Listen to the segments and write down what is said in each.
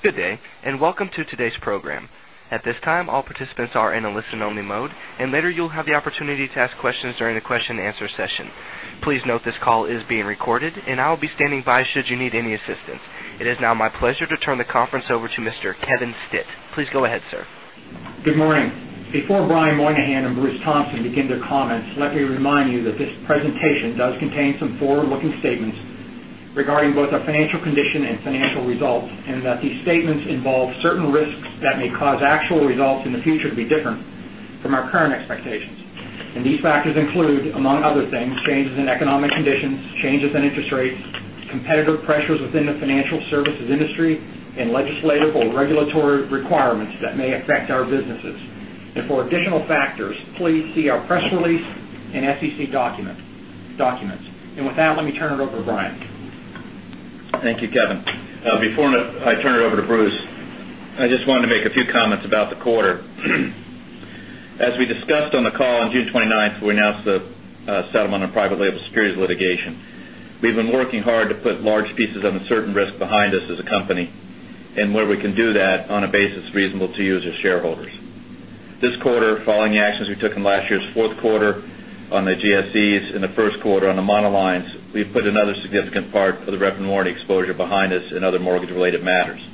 Today, and welcome to today's program. At this time, all participants are in a listen-only mode, and later you'll have the opportunity to ask questions during the question and answer session. Please note this call is being recorded, and I'll be standing by should you need any assistance. It is now my pleasure to turn the conference over to Mr. Kevin Stitt. Please go ahead, sir. Good morning. Before Brian Moynihan and Bruce Thompson begin their comments, let me remind you that this presentation does contain some forward-looking statements regarding both our financial condition and financial results, and that these statements involve certain risks that may cause actual results in the future to be different from our current expectations. These factors include, among other things, changes in economic conditions, changes in interest rates, competitive pressures within the financial services industry, and legislative or regulatory requirements that may affect our businesses. For additional factors, please see our press release and SEC documents. With that, let me turn it over to Brian. Thank you, Kevin. Before I turn it over to Bruce, I just wanted to make a few comments about the quarter. As we discussed on the call on June 29th, we announced a settlement on private label securities litigation. We've been working hard to put large pieces of uncertain risk behind us as a company, and where we can do that on a basis reasonable to you as shareholders. This quarter, following the actions we took in last year's fourth quarter on the GSEs and the first quarter on the monoline insurers, we've put another significant part of the revenue warranty exposure behind us in other mortgage-related matters.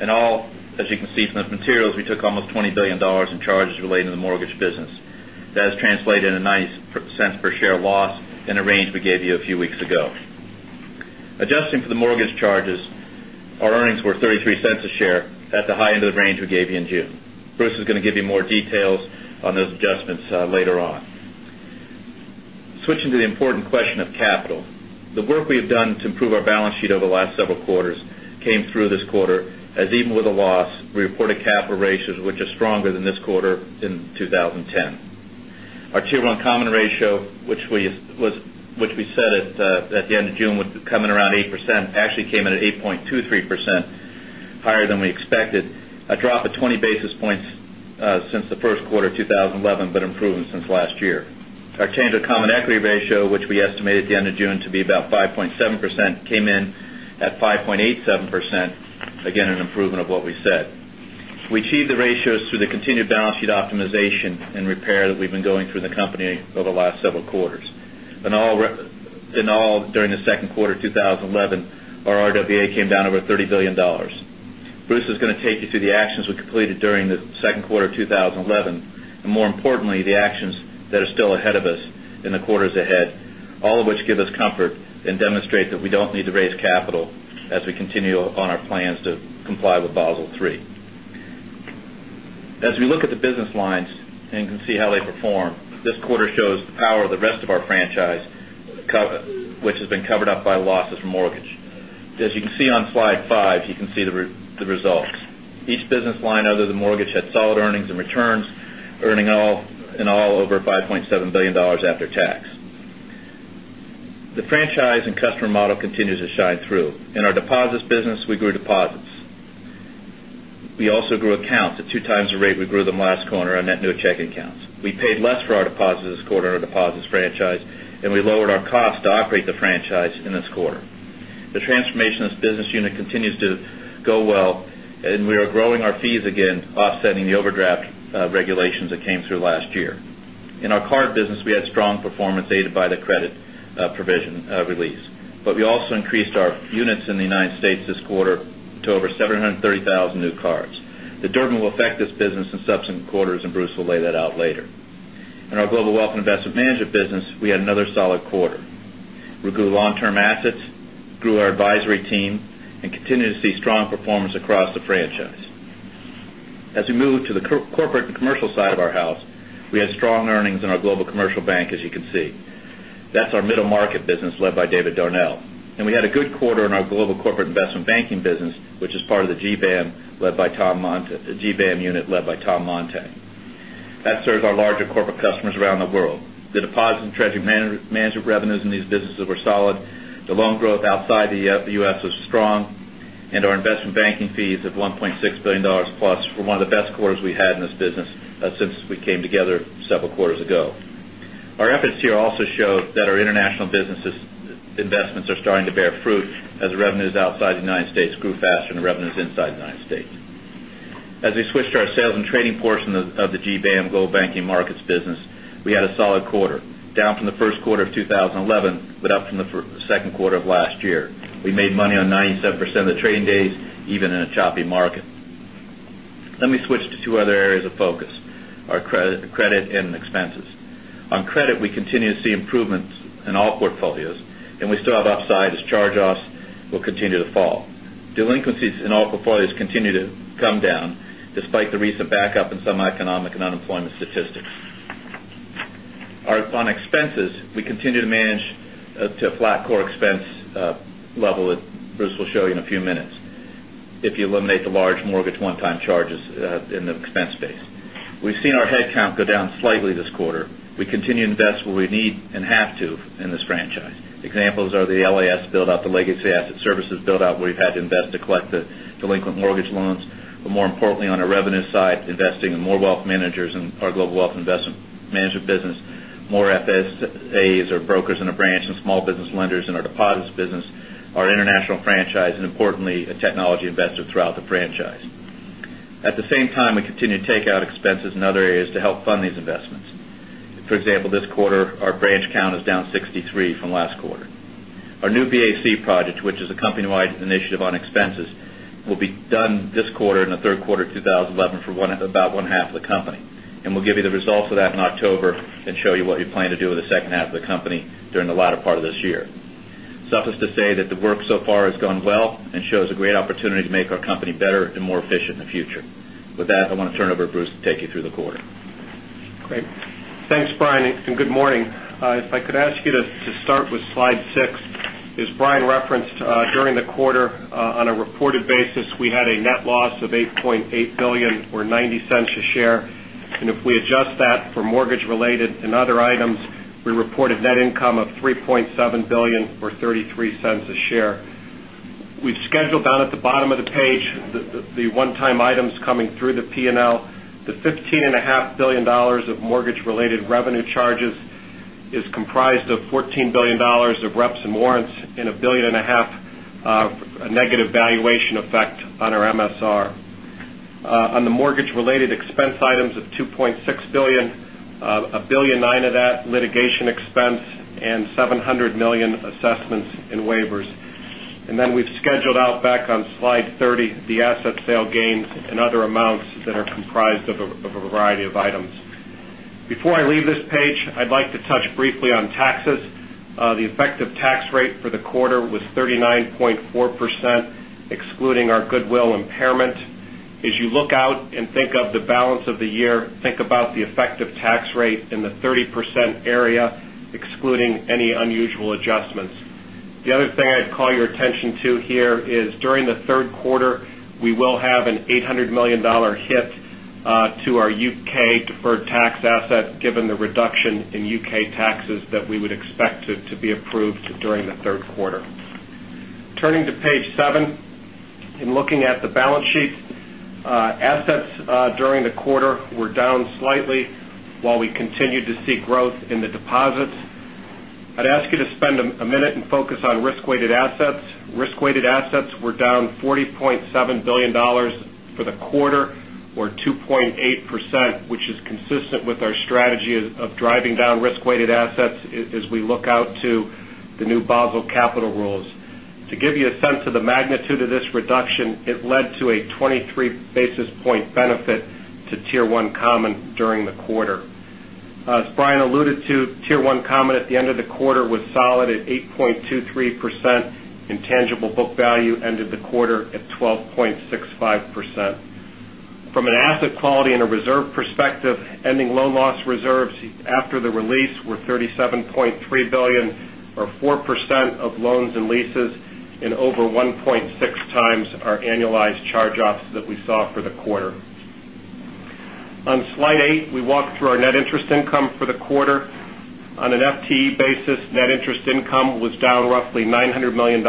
In all, as you can see from those materials, we took almost $20 billion in charges related to the mortgage business. That has translated in a $0.09 per share loss in a range we gave you a few weeks ago. Adjusting for the mortgage charges, our earnings were $0.33 a share at the high end of the range we gave you in June. Bruce is going to give you more detail on those adjustments later on. Switching to the important question of capital, the work we have done to improve our balance sheet over the last several quarters came through this quarter, as even with a loss, we reported capital ratios which are stronger than this quarter in 2010. Our Tier 1 common ratio, which we set at the end of June with coming around 8%, actually came in at 8.23%, higher than we expected, a drop of 20 basis points since the first quarter of 2011, but improving since last year. Our tangible common equity ratio, which we estimated at the end of June to be about 5.7%, came in at 5.87%, again an improvement of what we said. We achieved the ratios through the continued balance sheet optimization and repair that we've been going through in the company over the last several quarters. In all, during the second quarter of 2011, our RWA came down over $30 billion. Bruce is going to take you through the actions we completed during the second quarter of 2011, and more importantly, the actions that are still ahead of us in the quarters ahead, all of which give us comfort and demonstrate that we don't need to raise capital as we continue on our plans to comply with Basel III. As we look at the business lines and can see how they perform, this quarter shows the power of the rest of our franchise, which has been covered up by losses from mortgage. As you can see on slide five, you can see the results. Each business line other than mortgage had solid earnings and returns, earning in all over $5.7 billion after tax. The franchise and customer model continues to shine through. In our deposits business, we grew deposits. We also grew accounts at two times the rate we grew them last quarter on net new checking accounts. We paid less for our deposits this quarter in our deposits franchise, and we lowered our costs to operate the franchise in this quarter. The transformation of this business unit continues to go well, and we are growing our fees again, offsetting the overdraft regulations that came through last year. In our card business, we had strong performance aided by the credit provision release, but we also increased our units in the United States this quarter to over 730,000 new cards. The Durbin Amendment will affect this business in subsequent quarters, and Bruce will lay that out later. In our global wealth and investment management business, we had another solid quarter. We grew long-term assets, grew our advisory team, and continue to see strong performance across the franchise. As we move to the corporate and commercial side of our house, we had strong earnings in our global commercial bank, as you can see. That's our middle market business led by David Darnell, and we had a good quarter in our global corporate and investment banking business, which is part of the GBAM unit led by Tom Montag. That serves our larger corporate customers around the world. The deposits and treasury management revenues in these businesses were solid. The loan growth outside the U.S. was strong, and our investment banking fees of $1.6 billion plus were one of the best quarters we had in this business since we came together several quarters ago. Our efforts here also show that our international business investments are starting to bear fruit as the revenues outside the United States grew faster than revenues inside the United States. As we switch to our sales and trading portion of the GBAM Global Banking and Markets business, we had a solid quarter, down from the first quarter of 2011, but up from the second quarter of last year. We made money on 97% of the trading days, even in a choppy market. Let me switch to two other areas of focus, our credit and expenses. On credit, we continue to see improvements in all portfolios, and we still have upside as charge-offs will continue to fall. Delinquencies in all portfolios continue to come down despite the recent backup in some economic and unemployment statistics. On expenses, we continue to manage to a flat core expense level that Bruce will show you in a few minutes if you eliminate the large mortgage one-time charges in the expense space. We've seen our headcount go down slightly this quarter. We continue to invest where we need and have to in this franchise. Examples are the LAS build-out, the Legacy Asset Services build-out where we've had to invest to collect the delinquent mortgage loans. More importantly, on our revenue side, investing in more wealth managers in our Global Wealth Investment Management business, more FSAs or brokers in a branch, and small business lenders in our deposits business, our international franchise, and importantly, a technology investment throughout the franchise. At the same time, we continue to take out expenses in other areas to help fund these investments. For example, this quarter, our branch count is down 63 from last quarter. Our New BAC project, which is a company-wide initiative on expenses, will be done this quarter in the third quarter of 2011 for about one half of the company. We'll give you the results of that in October and show you what we plan to do with the second half of the company during the latter part of this year. Suffice to say that the work so far has gone well and shows a great opportunity to make our company better and more efficient in the future. With that, I want to turn it over to Bruce to take you through the quarter. Okay. Thanks, Brian, and good morning. If I could ask you to start with slide six, as Brian referenced, during the quarter, on a reported basis, we had a net loss of $8.8 billion or $0.90 a share. If we adjust that for mortgage-related and other items, we reported net income of $3.7 billion or $0.33 a share. We've scheduled down at the bottom of the page the one-time items coming through the P&L. The $15.5 billion of mortgage-related revenue charges is comprised of $14 billion of reps and warrants and $1.5 billion of a negative valuation effect on our MSR. On the mortgage-related expense items of $2.6 billion, $1.9 billion of that is litigation expense, and $700 million is assessments and waivers. We've scheduled out back on slide 30 the asset sale gains and other amounts that are comprised of a variety of items. Before I leave this page, I'd like to touch briefly on taxes. The effective tax rate for the quarter was 39.4%, excluding our goodwill impairment. As you look out and think of the balance of the year, think about the effective tax rate in the 30% area, excluding any unusual adjustments. The other thing I'd call your attention to here is during the third quarter, we will have an $800 million hit to our UK deferred tax assets, given the reduction in UK taxes that we would expect to be approved during the third quarter. Turning to page seven and looking at the balance sheets, assets during the quarter were down slightly while we continued to see growth in the deposits. I'd ask you to spend a minute and focus on risk-weighted assets. Risk-weighted assets were down $40.7 billion for the quarter, or 2.8%, which is consistent with our strategy of driving down risk-weighted assets as we look out to the new Basel capital rules. To give you a sense of the magnitude of this reduction, it led to a 23 basis point benefit to Tier 1 common during the quarter. As Brian alluded to, Tier 1 common at the end of the quarter was solid at 8.23%, and tangible book value ended the quarter at $12.65. From an asset quality and a reserve perspective, ending loan loss reserves after the release were $37.3 billion or 4% of loans and leases and over 1.6x our annualized charge-offs that we saw for the quarter. On slide eight, we walk through our net interest income for the quarter. On an FTE basis, net interest income was down roughly $900 million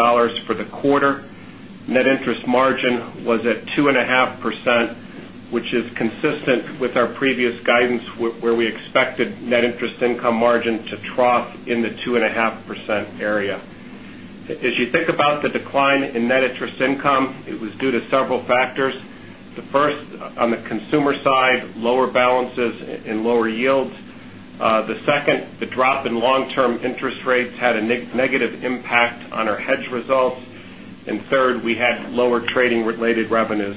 for the quarter. Net interest margin was at 2.5%, which is consistent with our previous guidance where we expected net interest income margin to trot in the 2.5% area. As you think about the decline in net interest income, it was due to several factors. The first, on the consumer side, lower balances and lower yields. The second, the drop in long-term interest rates had a negative impact on our hedge results. Third, we had lower trading-related revenues.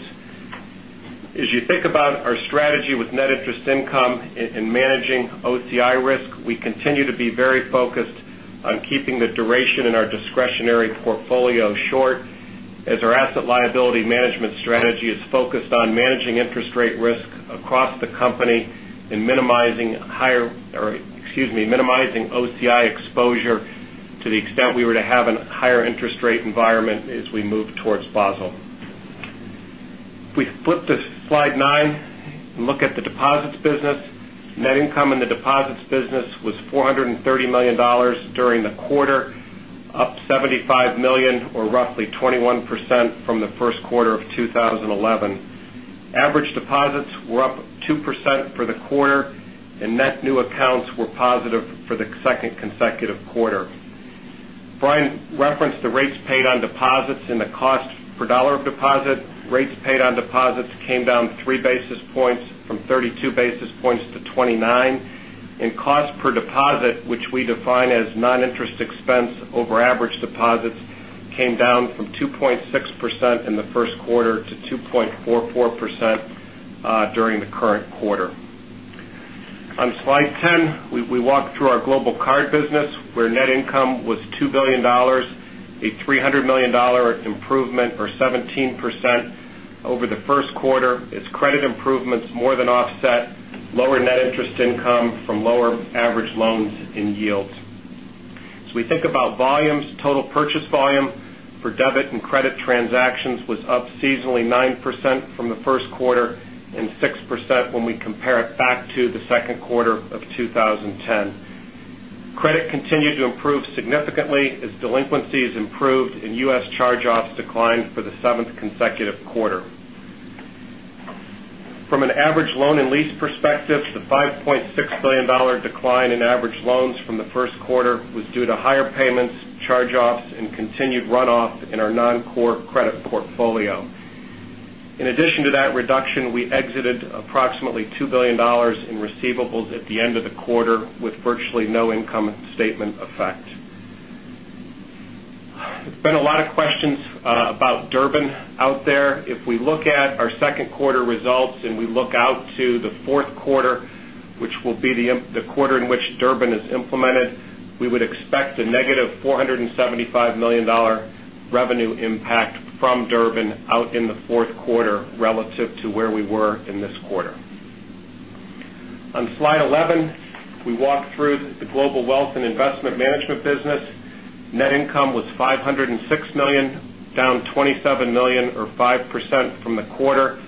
As you think about our strategy with net interest income and managing OCI risk, we continue to be very focused on keeping the duration in our discretionary portfolio short, as our asset liability management strategy is focused on managing interest rate risk across the company and minimizing OCI exposure to the extent we were to have a higher interest rate environment as we move towards Basel III. If we flip to slide nine and look at the deposits business, net income in the deposits business was $430 million during the quarter, up $75 million, or roughly 21% from the first quarter of 2011. Average deposits were up 2% for the quarter, and net new accounts were positive for the second consecutive quarter. Brian referenced the rates paid on deposits and the cost per dollar of deposit. Rates paid on deposits came down three basis points from 32 basis points to 29, and cost per deposit, which we define as non-interest expense over average deposits, came down from 2.6% in the first quarter to 2.44% during the current quarter. On slide 10, we walk through our global card business where net income was $2 billion, a $300 million improvement or 17% over the first quarter. Its credit improvements more than offset lower net interest income from lower average loans and yields. We think about volumes. Total purchase volume for debit and credit transactions was up seasonally 9% from the first quarter and 6% when we compare it back to the second quarter of 2010. Credit continued to improve significantly as delinquencies improved and U.S. charge-offs declined for the seventh consecutive quarter. From an average loan and lease perspective, the $5.6 billion decline in average loans from the first quarter was due to higher payments, charge-offs, and continued runoff in our non-core credit portfolio. In addition to that reduction, we exited approximately $2 billion in receivables at the end of the quarter with virtually no income statement effect. There's been a lot of questions about Durbin out there. If we look at our second quarter results and we look out to the fourth quarter, which will be the quarter in which Durbin is implemented, we would expect a -$475 million revenue impact from Durbin out in the fourth quarter relative to where we were in this quarter. On slide 11, we walk through the Global Wealth and Investment Management business. Net income was $506 million, down $27 million or 5% from the quarter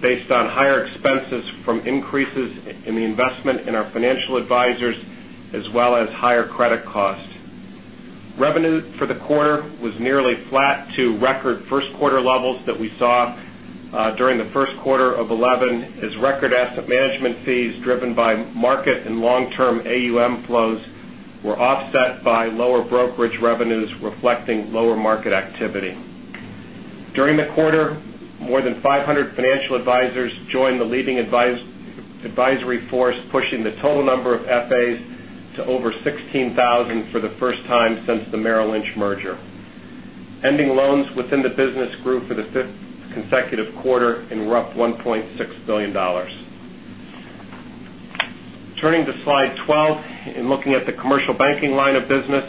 based on higher expenses from increases in the investment in our financial advisors, as well as higher credit costs. Revenue for the quarter was nearly flat to record first quarter levels that we saw during the first quarter of 2011, as record asset management fees driven by market and long-term AUM flows were offset by lower brokerage revenues reflecting lower market activity. During the quarter, more than 500 financial advisors joined the leading advisory force, pushing the total number of FAs to over 16,000 for the first time since the Merrill Lynch merger. Ending loans within the business grew for the fifth consecutive quarter and reached $1.6 billion. Turning to slide 12 and looking at the Commercial Banking line of business,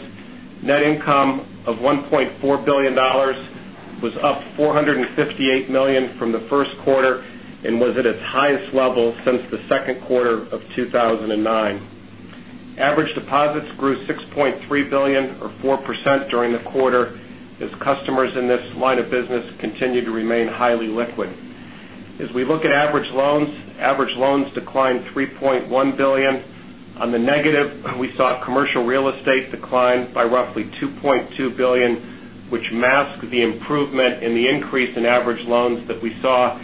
net income of $1.4 billion was up $458 million from the first quarter and was at its highest level since the second quarter of 2009. Average deposits grew $6.3 billion or 4% during the quarter, as customers in this line of business continue to remain highly liquid. As we look at average loans, average loans declined $3.1 billion. On the negative, we saw commercial real estate decline by roughly $2.2 billion, which masked the improvement in the increase in average loans that we saw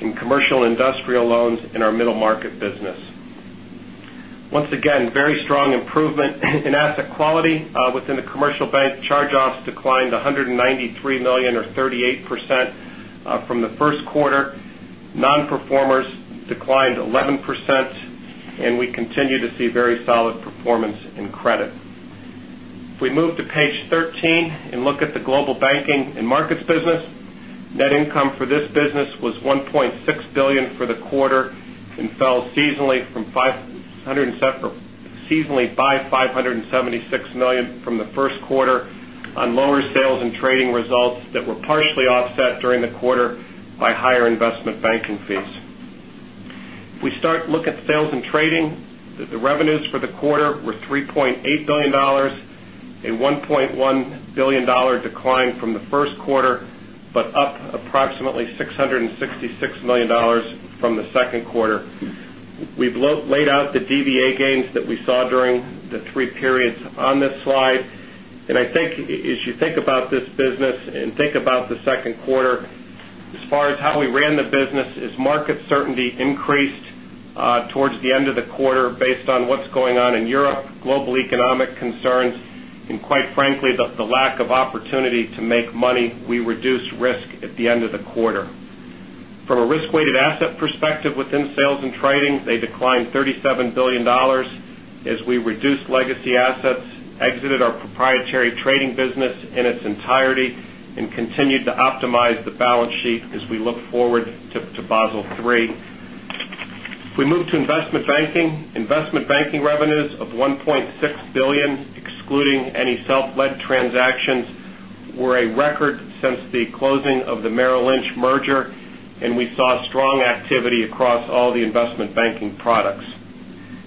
in commercial and industrial loans in our middle market business. Once again, very strong improvement in asset quality within the commercial bank. Charge-offs declined $193 million or 38% from the first quarter. Non-performers declined 11%, and we continue to see very solid performance in credit. If we move to page 13 and look at the Global Banking and Markets business, net income for this business was $1.6 billion for the quarter and fell seasonally by $576 million from the first quarter on lower sales and trading results that were partially offset during the quarter by higher investment banking fees. If we start to look at sales and trading, the revenues for the quarter were $3.8 billion, a $1.1 billion decline from the first quarter, but up approximately $666 million from the second quarter. We've laid out the DVA gains that we saw during the three periods on this slide. I think as you think about this business and think about the second quarter, as far as how we ran the business, as market certainty increased towards the end of the quarter based on what's going on in Europe, global economic concerns, and quite frankly, the lack of opportunity to make money, we reduced risk at the end of the quarter. From a risk-weighted asset perspective within sales and trading, they declined $37 billion as we reduced legacy assets, exited our proprietary trading business in its entirety, and continued to optimize the balance sheet as we look forward to Basel III. If we move to investment banking, investment banking revenues of $1.6 billion, excluding any self-led transactions, were a record since the closing of the Merrill Lynch merger, and we saw strong activity across all the investment banking products.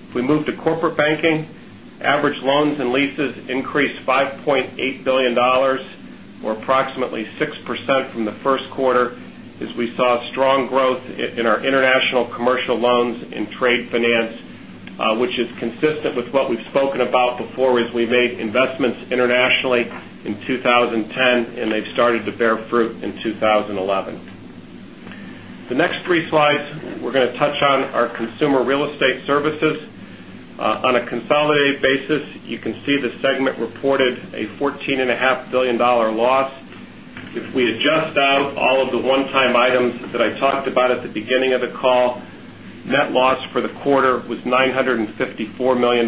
If we move to corporate banking, average loans and leases increased $5.8 billion, or approximately 6% from the first quarter, as we saw strong growth in our international commercial loans and trade finance, which is consistent with what we've spoken about before as we made investments internationally in 2010, and they've started to bear fruit in 2011. The next three slides we're going to touch on are consumer real estate services. On a consolidated basis, you can see the segment reported a $14.5 billion loss. If we adjust out all of the one-time items that I talked about at the beginning of the call, net loss for the quarter was $954 million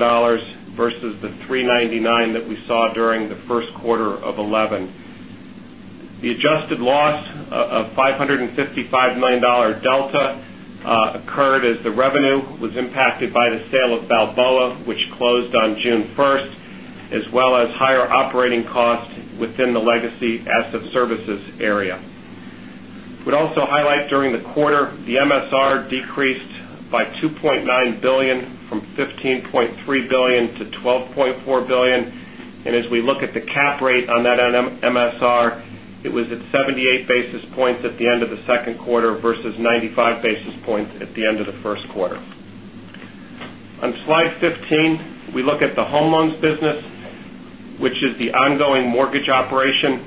versus the $399 million that we saw during the first quarter of 2011. The adjusted loss of $555 million Delta occurred as the revenue was impacted by the sale of Balboa, which closed on June 1, as well as higher operating costs within the legacy asset services area. I would also highlight during the quarter, the MSR decreased by $2.9 billion from $15.3 billion to $12.4 billion. As we look at the cap rate on that MSR, it was at 78 basis points at the end of the second quarter versus 95 basis points at the end of the first quarter. On slide 15, we look at the home loans business, which is the ongoing mortgage operation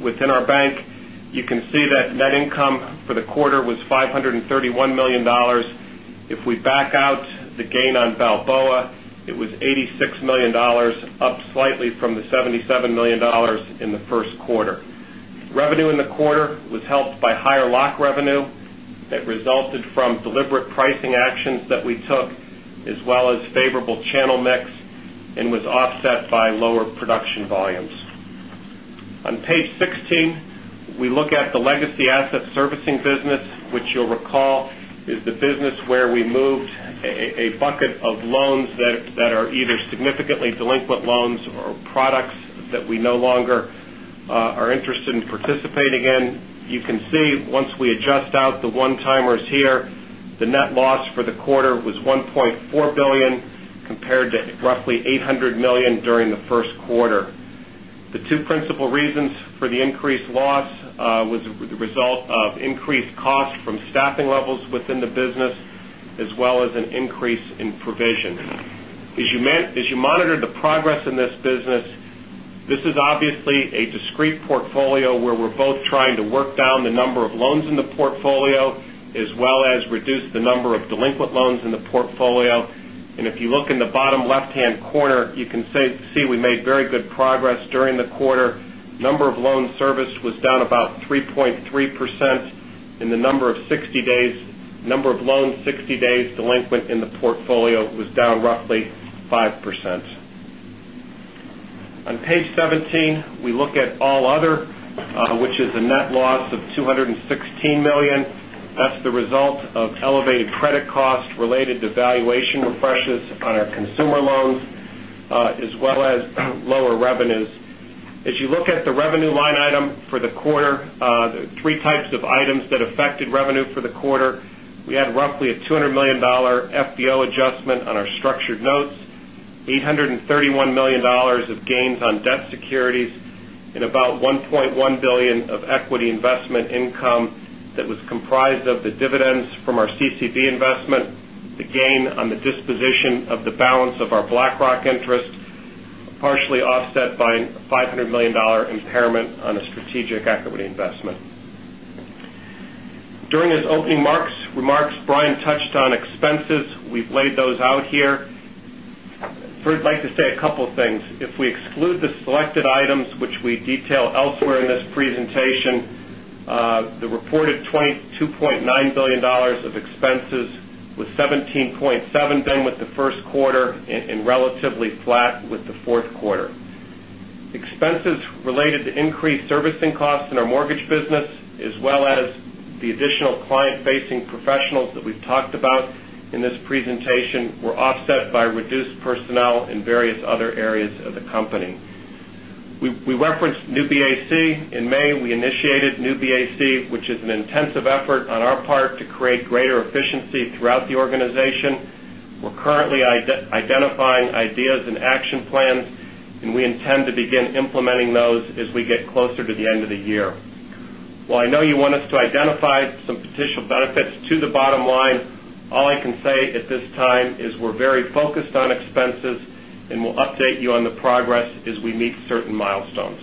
within our bank. You can see that net income for the quarter was $531 million. If we back out the gain on Balboa, it was $86 million, up slightly from the $77 million in the first quarter. Revenue in the quarter was helped by higher lock revenue that resulted from deliberate pricing actions that we took, as well as favorable channel mix, and was offset by lower production volumes. On page 16, we look at the legacy asset servicing business, which you'll recall is the business where we moved a bucket of loans that are either significantly delinquent loans or products that we no longer are interested in participating in. You can see once we adjust out the one-timers here, the net loss for the quarter was $1.4 billion compared to roughly $800 million during the first quarter. The two principal reasons for the increased loss were the result of increased costs from staffing levels within the business, as well as an increase in provision. As you monitor the progress in this business, this is obviously a discrete portfolio where we're both trying to work down the number of loans in the portfolio, as well as reduce the number of delinquent loans in the portfolio. If you look in the bottom left-hand corner, you can see we made very good progress during the quarter. The number of loans serviced was down about 3.3%, and the number of loans 60 days delinquent in the portfolio was down roughly 5%. On page 17, we look at all other, which is a net loss of $216 million. That's the result of elevated credit costs related to valuation refreshes on our consumer loans, as well as lower revenues. As you look at the revenue line item for the quarter, the three types of items that affected revenue for the quarter, we had roughly a $200 million FBO adjustment on our structured notes, $831 million of gains on debt securities, and about $1.1 billion of equity investment income that was comprised of the dividends from our CCB investment, the gain on the disposition of the balance of our BlackRock interest, partially offset by a $500 million impairment on a strategic equity investment. During his opening remarks, Brian Moynihan touched on expenses. We've laid those out here. I'd like to say a couple of things. If we exclude the selected items, which we detail elsewhere in this presentation, the reported $22.9 billion of expenses was $17.7 billion with the first quarter and relatively flat with the fourth quarter. Expenses related to increased servicing costs in our mortgage business, as well as the additional client-facing professionals that we've talked about in this presentation, were offset by reduced personnel in various other areas of the company. We referenced New BAC. In May, we initiated New BAC, which is an intensive effort on our part to create greater efficiency throughout the organization. We're currently identifying ideas and action plans, and we intend to begin implementing those as we get closer to the end of the year. While I know you want us to identify some potential benefits to the bottom line, all I can say at this time is we're very focused on expenses, and we'll update you on the progress as we meet certain milestones.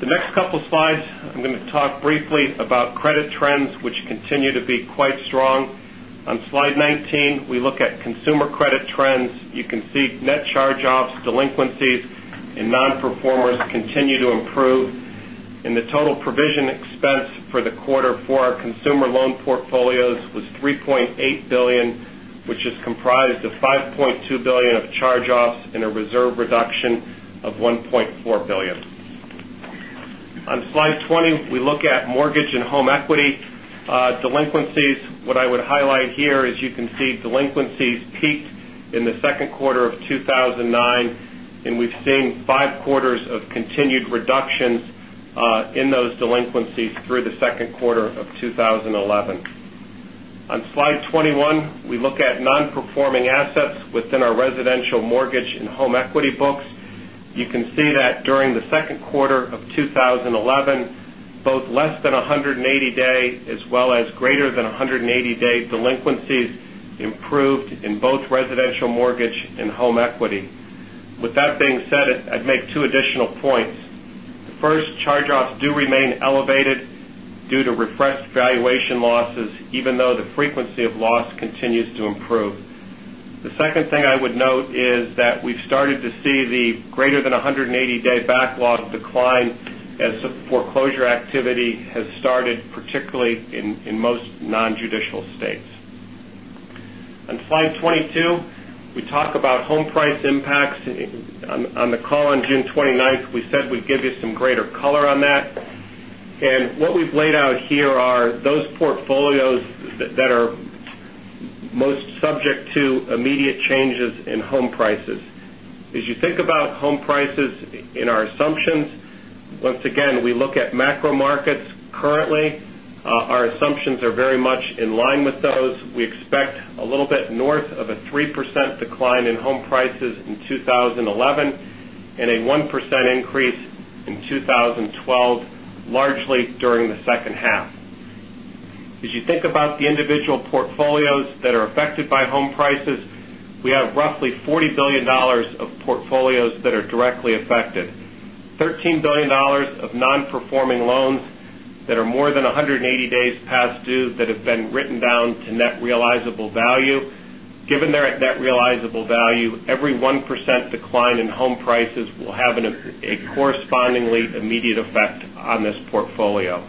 The next couple of slides, I'm going to talk briefly about credit trends, which continue to be quite strong. On slide 19, we look at consumer credit trends. You can see net charge-offs, delinquencies, and non-performers continue to improve. The total provision expense for the quarter for our consumer loan portfolios was $3.8 billion, which is comprised of $5.2 billion of charge-offs and a reserve reduction of $1.4 billion. On slide 20, we look at mortgage and home equity delinquencies. What I would highlight here is you can see delinquencies peaked in the second quarter of 2009, and we've seen five quarters of continued reductions in those delinquencies through the second quarter of 2011. On slide 21, we look at non-performing assets within our residential mortgage and home equity books. You can see that during the second quarter of 2011, both less than 180-day as well as greater than 180-day delinquencies improved in both residential mortgage and home equity. With that being said, I'd make two additional points. The first, charge-offs do remain elevated due to refreshed valuation losses, even though the frequency of loss continues to improve. The second thing I would note is that we've started to see the greater than 180-day backlog decline as foreclosure activity has started, particularly in most nonjudicial states. On slide 22, we talk about home price impacts. On the call on June 29th, we said we'd give you some greater color on that. What we've laid out here are those portfolios that are most subject to immediate changes in home prices. As you think about home prices in our assumptions, once again, we look at macro markets currently. Our assumptions are very much in line with those. We expect a little bit north of a 3% decline in home prices in 2011 and a 1% increase in 2012, largely during the second half. As you think about the individual portfolios that are affected by home prices, we have roughly $40 billion of portfolios that are directly affected, $13 billion of non-performing loans that are more than 180 days past due that have been written down to net realizable value. Given their net realizable value, every 1% decline in home prices will have a correspondingly immediate effect on this portfolio.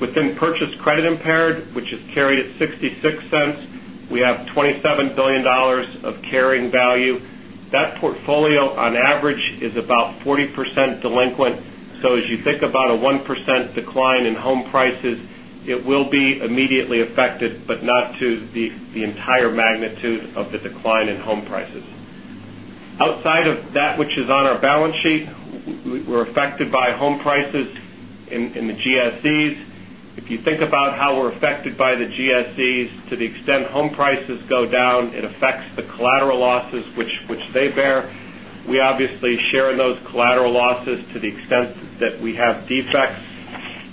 Within purchase credit impaired, which is carried at $0.66, we have $27 billion of carrying value. That portfolio, on average, is about 40% delinquent. As you think about a 1% decline in home prices, it will be immediately affected, but not to the entire magnitude of the decline in home prices. Outside of that, which is on our balance sheet, we're affected by home prices in the GSEs. If you think about how we're affected by the GSEs, to the extent home prices go down, it affects the collateral losses which they bear. We obviously share in those collateral losses to the extent that we have defects.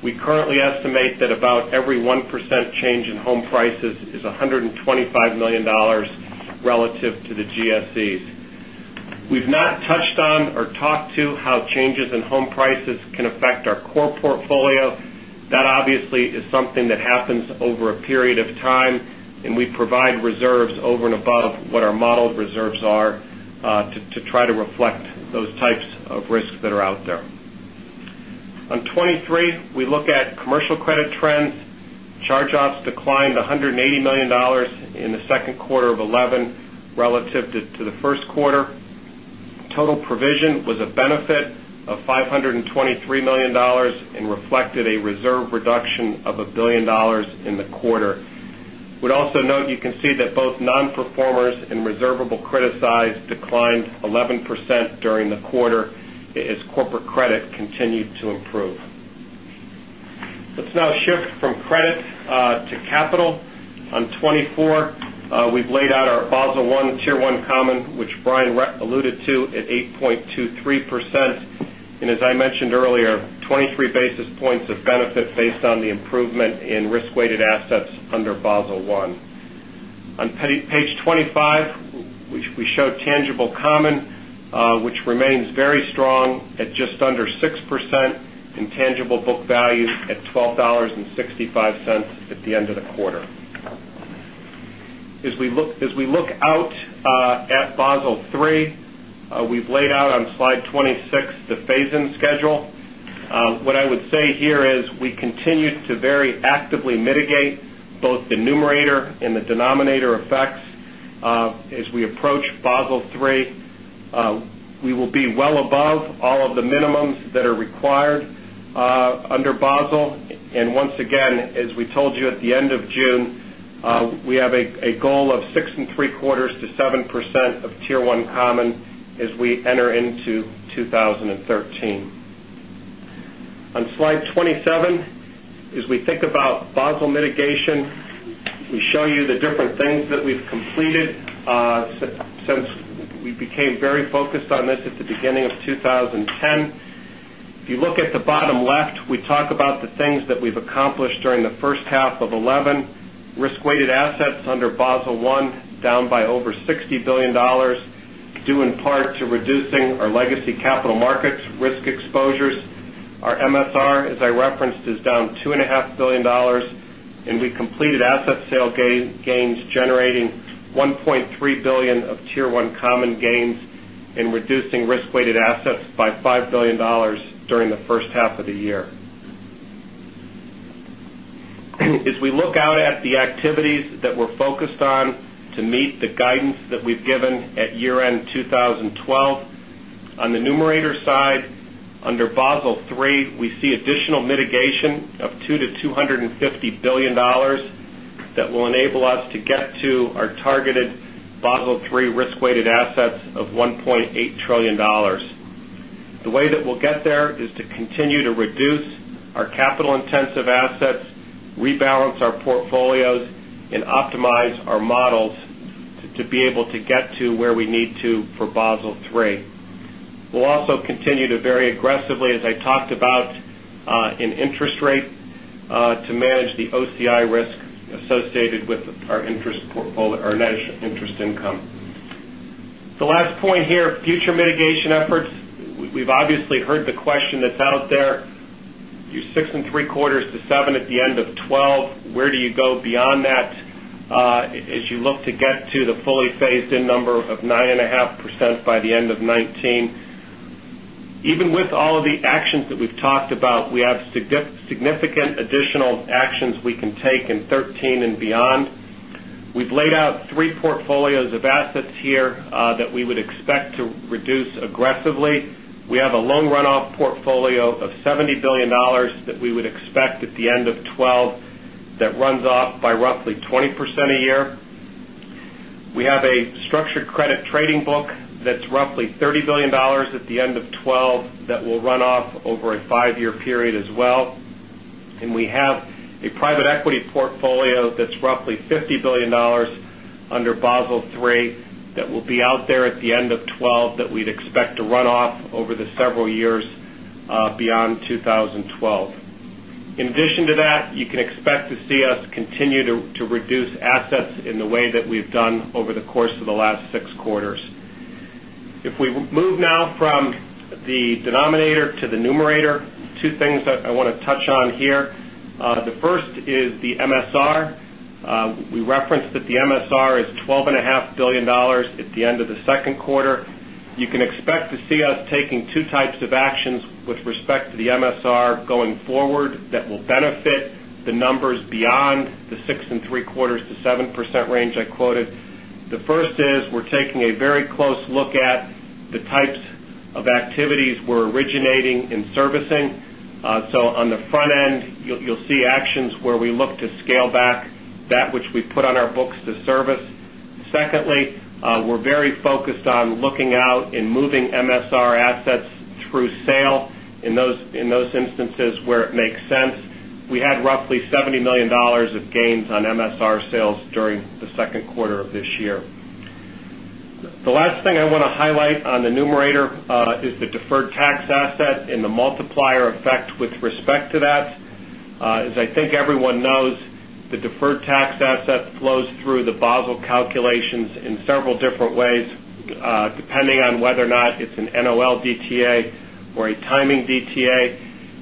We currently estimate that about every 1% change in home prices is $125 million relative to the GSEs. We've not touched on or talked to how changes in home prices can affect our core portfolio. That obviously is something that happens over a period of time, and we provide reserves over and above what our modeled reserves are to try to reflect those types of risks that are out there. On 23, we look at commercial credit trends. Charge-offs declined $180 million in the second quarter of 2011 relative to the first quarter. Total provision was a benefit of $523 million and reflected a reserve reduction of $1 billion in the quarter. I would also note you can see that both non-performers and reservable criticized declined 11% during the quarter as corporate credit continued to improve. Let's now shift from credit to capital. On 24, we've laid out our Basel I Tier 1 Common, which Brian alluded to at 8.23%. As I mentioned earlier, 23 basis points of benefit based on the improvement in risk-weighted assets under Basel I. On page 25, we show tangible common, which remains very strong at just under 6% and tangible book values at $12.65 at the end of the quarter. As we look out at Basel III, we've laid out on slide 26 the phase-in schedule. What I would say here is we continue to very actively mitigate both the numerator and the denominator effects. As we approach Basel III, we will be well above all of the minimums that are required under Basel. As we told you at the end of June, we have a goal of 6.75%-7% of Tier 1 Common as we enter into 2013. On slide 27, as we think about Basel mitigation, we show you the different things that we've completed since we became very focused on this at the beginning of 2010. If you look at the bottom left, we talk about the things that we've accomplished during the first half of 2011. Risk-weighted assets under Basel I are down by over $60 billion, due in part to reducing our legacy capital market risk exposures. Our MSR, as I referenced, is down $2.5 billion, and we completed asset sale gains generating $1.3 billion of Tier 1 Common gains and reducing risk-weighted assets by $5 billion during the first half of the year. As we look out at the activities that we're focused on to meet the guidance that we've given at year-end 2012, on the numerator side, under Basel III, we see additional mitigation of $200 billion-$250 billion that will enable us to get to our targeted Basel III risk-weighted assets of $1.8 trillion. The way that we'll get there is to continue to reduce our capital-intensive assets, rebalance our portfolios, and optimize our models to be able to get to where we need to for Basel III. We'll also continue to very aggressively, as I talked about, in interest rate to manage the OCI risk associated with our interest portfolio or net interest income. The last point here, future mitigation efforts. We've obviously heard the question that's out there. You're 6.75%-7% at the end of 2012. Where do you go beyond that as you look to get to the fully phased-in number of 9.5% by the end of 2019? Even with all of the actions that we've talked about, we have significant additional actions we can take in 2013 and beyond. We've laid out three portfolios of assets here that we would expect to reduce aggressively. We have a loan runoff portfolio of $70 billion that we would expect at the end of 2012 that runs off by roughly 20% a year. We have a structured credit trading book that's roughly $30 billion at the end of 2012 that will run off over a five-year period as well. We have a private equity portfolio that's roughly $50 billion under Basel III that will be out there at the end of 2012 that we'd expect to run off over the several years beyond 2012. In addition to that, you can expect to see us continue to reduce assets in the way that we've done over the course of the last six quarters. If we move now from the denominator to the numerator, two things that I want to touch on here. The first is the MSR. We referenced that the MSR is $12.5 billion at the end of the second quarter. You can expect to see us taking two types of actions with respect to the MSR going forward that will benefit the numbers beyond the 6.75%-7% range I quoted. The first is we're taking a very close look at the types of activities we're originating in servicing. On the front end, you'll see actions where we look to scale back that which we put on our books to service. Secondly, we're very focused on looking out and moving MSR assets through sale in those instances where it makes sense. We had roughly $70 million of gains on MSR sales during the second quarter of this year. The last thing I want to highlight on the numerator is the deferred tax asset and the multiplier effect with respect to that. As I think everyone knows, the deferred tax asset flows through the Basel calculations in several different ways, depending on whether or not it's an NOL DTA or a timing DTA.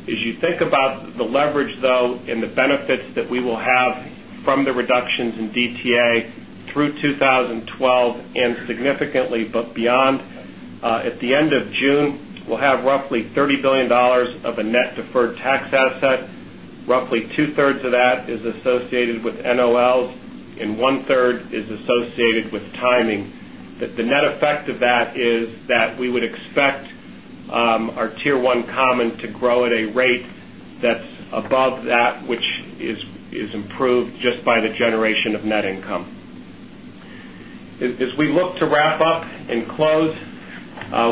As you think about the leverage, though, and the benefits that we will have from the reductions in DTA through 2012 and significantly, but beyond, at the end of June, we'll have roughly $30 billion of a net deferred tax asset. Roughly two-thirds of that is associated with NOLs and one-third is associated with timing. The net effect of that is that we would expect our Tier 1 Common to grow at a rate that's above that, which is improved just by the generation of net income. As we look to wrap up and close,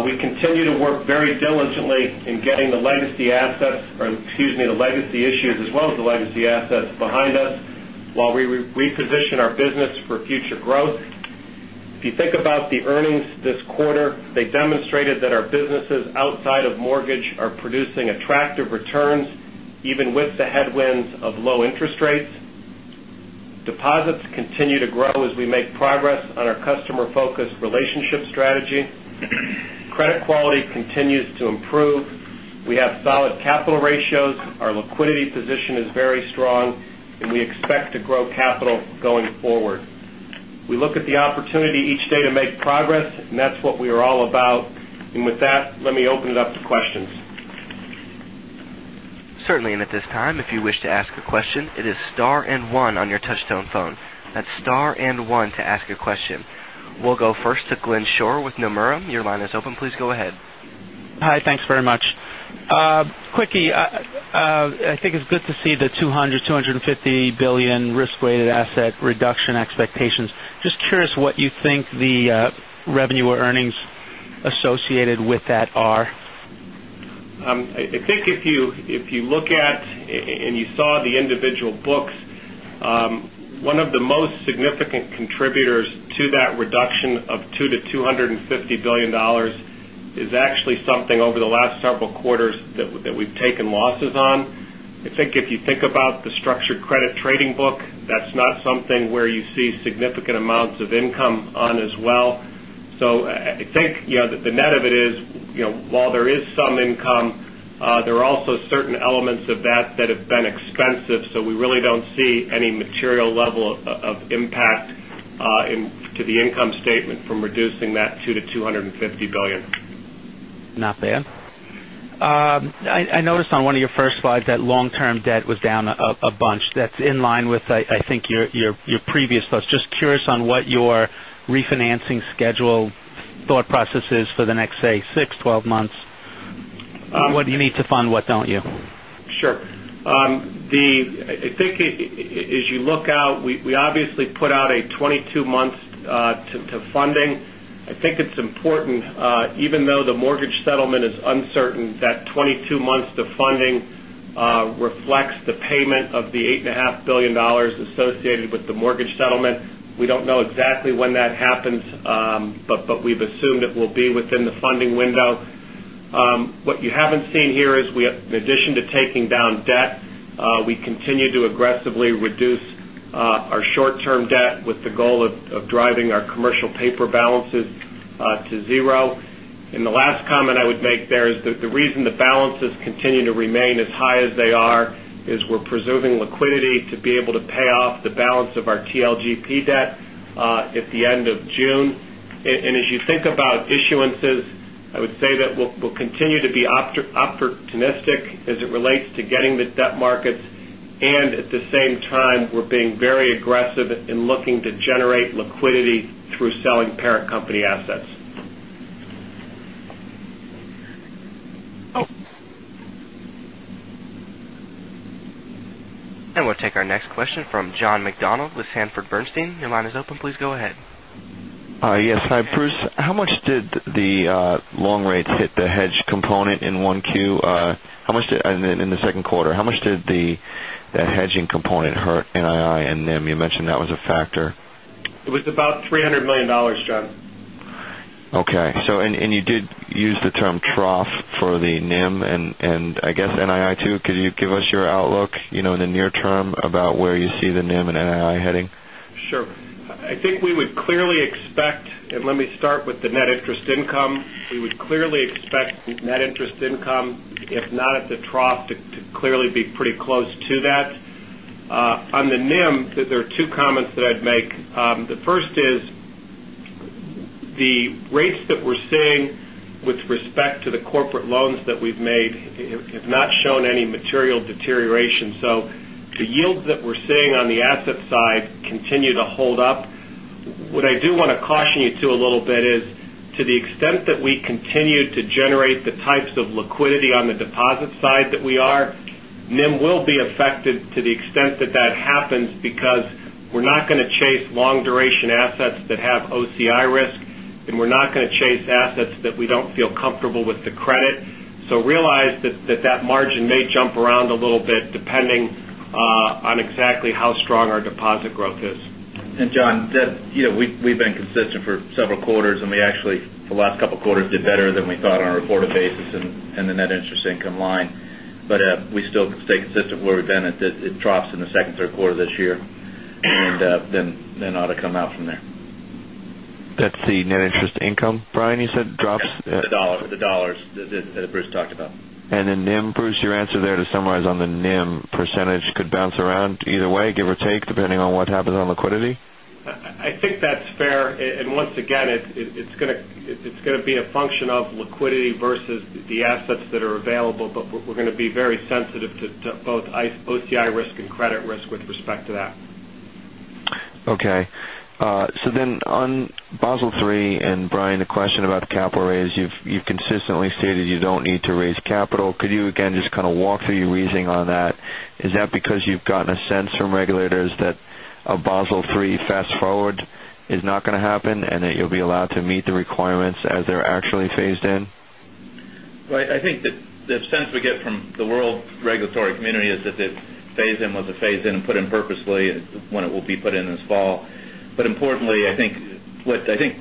we continue to work very diligently in getting the legacy issues as well as the legacy assets behind us while we reposition our business for future growth. If you think about the earnings this quarter, they demonstrated that our businesses outside of mortgage are producing attractive returns, even with the headwinds of low interest rates. Deposits continue to grow as we make progress on our customer-focused relationship strategy. Credit quality continues to improve. We have solid capital ratios. Our liquidity position is very strong, and we expect to grow capital going forward. We look at the opportunity each day to make progress, and that's what we are all about. With that, let me open it up to questions. Certainly. At this time, if you wish to ask a question, it is star and one on your touch-tone phone. That's star and one to ask a question. We'll go first to Glenn Schorr with Nomura. Your line is open. Please go ahead. Hi. Thanks very much. Quickie, I think it's good to see the $200 billion-$250 billion risk-weighted asset reduction expectations. Just curious what you think the revenue or earnings associated with that are. I think if you look at and you saw the individual books, one of the most significant contributors to that reduction of $2 billion-$250 billion is actually something over the last several quarters that we've taken losses on. I think if you think about the structured credit trading book, that's not something where you see significant amounts of income on as well. I think the net of it is, while there is some income, there are also certain elements of that that have been expensive. We really don't see any material level of impact to the income statement from reducing that $2 billion-$250 billion. Nathan? I noticed on one of your first slides that long-term debt was down a bunch. That's in line with, I think, your previous thoughts. Just curious on what your refinancing schedule thought process is for the next, say, 6, 12 months. What do you need to fund, what don't you? Sure. I think as you look out, we obviously put out a 22 months to funding. I think it's important, even though the mortgage settlement is uncertain, that 22 months to funding reflects the payment of the $8.5 billion associated with the mortgage settlement. We don't know exactly when that happens, but we've assumed it will be within the funding window. What you haven't seen here is, in addition to taking down debt, we continue to aggressively reduce our short-term debt with the goal of driving our commercial paper balances to zero. The last comment I would make there is that the reason the balances continue to remain as high as they are is we're preserving liquidity to be able to pay off the balance of our TLGP debt at the end of June. As you think about issuances, I would say that we'll continue to be opportunistic as it relates to getting the debt markets. At the same time, we're being very aggressive in looking to generate liquidity through selling parent company assets. We will take our next question from John McDonald with Sanford Bernstein. Your line is open. Please go ahead. Yes. Hi, Bruce. How much did the long rate hit the hedge component in Q1 in the second quarter? How much did the hedging component hurt NII and NIM? You mentioned that was a factor. It was about $300 million, John. Okay. You did use the term trough for the NIM and I guess NII too. Could you give us your outlook in the near term about where you see the NIM and NII heading? Sure. I think we would clearly expect, and let me start with the net interest income. We would clearly expect net interest income, if not at the trough, to clearly be pretty close to that. On the NIM, there are two comments that I'd make. The first is the rates that we're seeing with respect to the corporate loans that we've made have not shown any material deterioration. The yields that we're seeing on the asset side continue to hold up. What I do want to caution you to a little bit is to the extent that we continue to generate the types of liquidity on the deposit side that we are, NIM will be affected to the extent that that happens because we're not going to chase long-duration assets that have OCI risk, and we're not going to chase assets that we don't feel comfortable with the credit. Realize that that margin may jump around a little bit depending on exactly how strong our deposit growth is. John, we've been consistent for several quarters, and we actually, for the last couple of quarters, did better than we thought on a reported basis and the net interest income line. We still stay consistent where we've been at that it drops in the second, third quarter of this year, and then ought to come out from there. That's the net interest income. Brian, you said it drops. The dollars that Bruce Thompson talked about. NIM, Bruce, your answer there to summarize on the NIM percentage could bounce around either way, give or take, depending on what happens on liquidity. I think that's fair. Once again, it's going to be a function of liquidity versus the assets that are available, but we're going to be very sensitive to both OCI risk and credit risk with respect to that. Okay. On Basel III, and Brian, a question about capital raise. You've consistently stated you don't need to raise capital. Could you again just kind of walk through your reasoning on that? Is that because you've gotten a sense from regulators that a Basel III fast forward is not going to happen and that you'll be allowed to meet the requirements as they're actually phased in? Right. I think that the sense we get from the world regulatory community is that it's phased in once it's phased in and put in purposefully when it will be put in this fall. Importantly, I think what I think,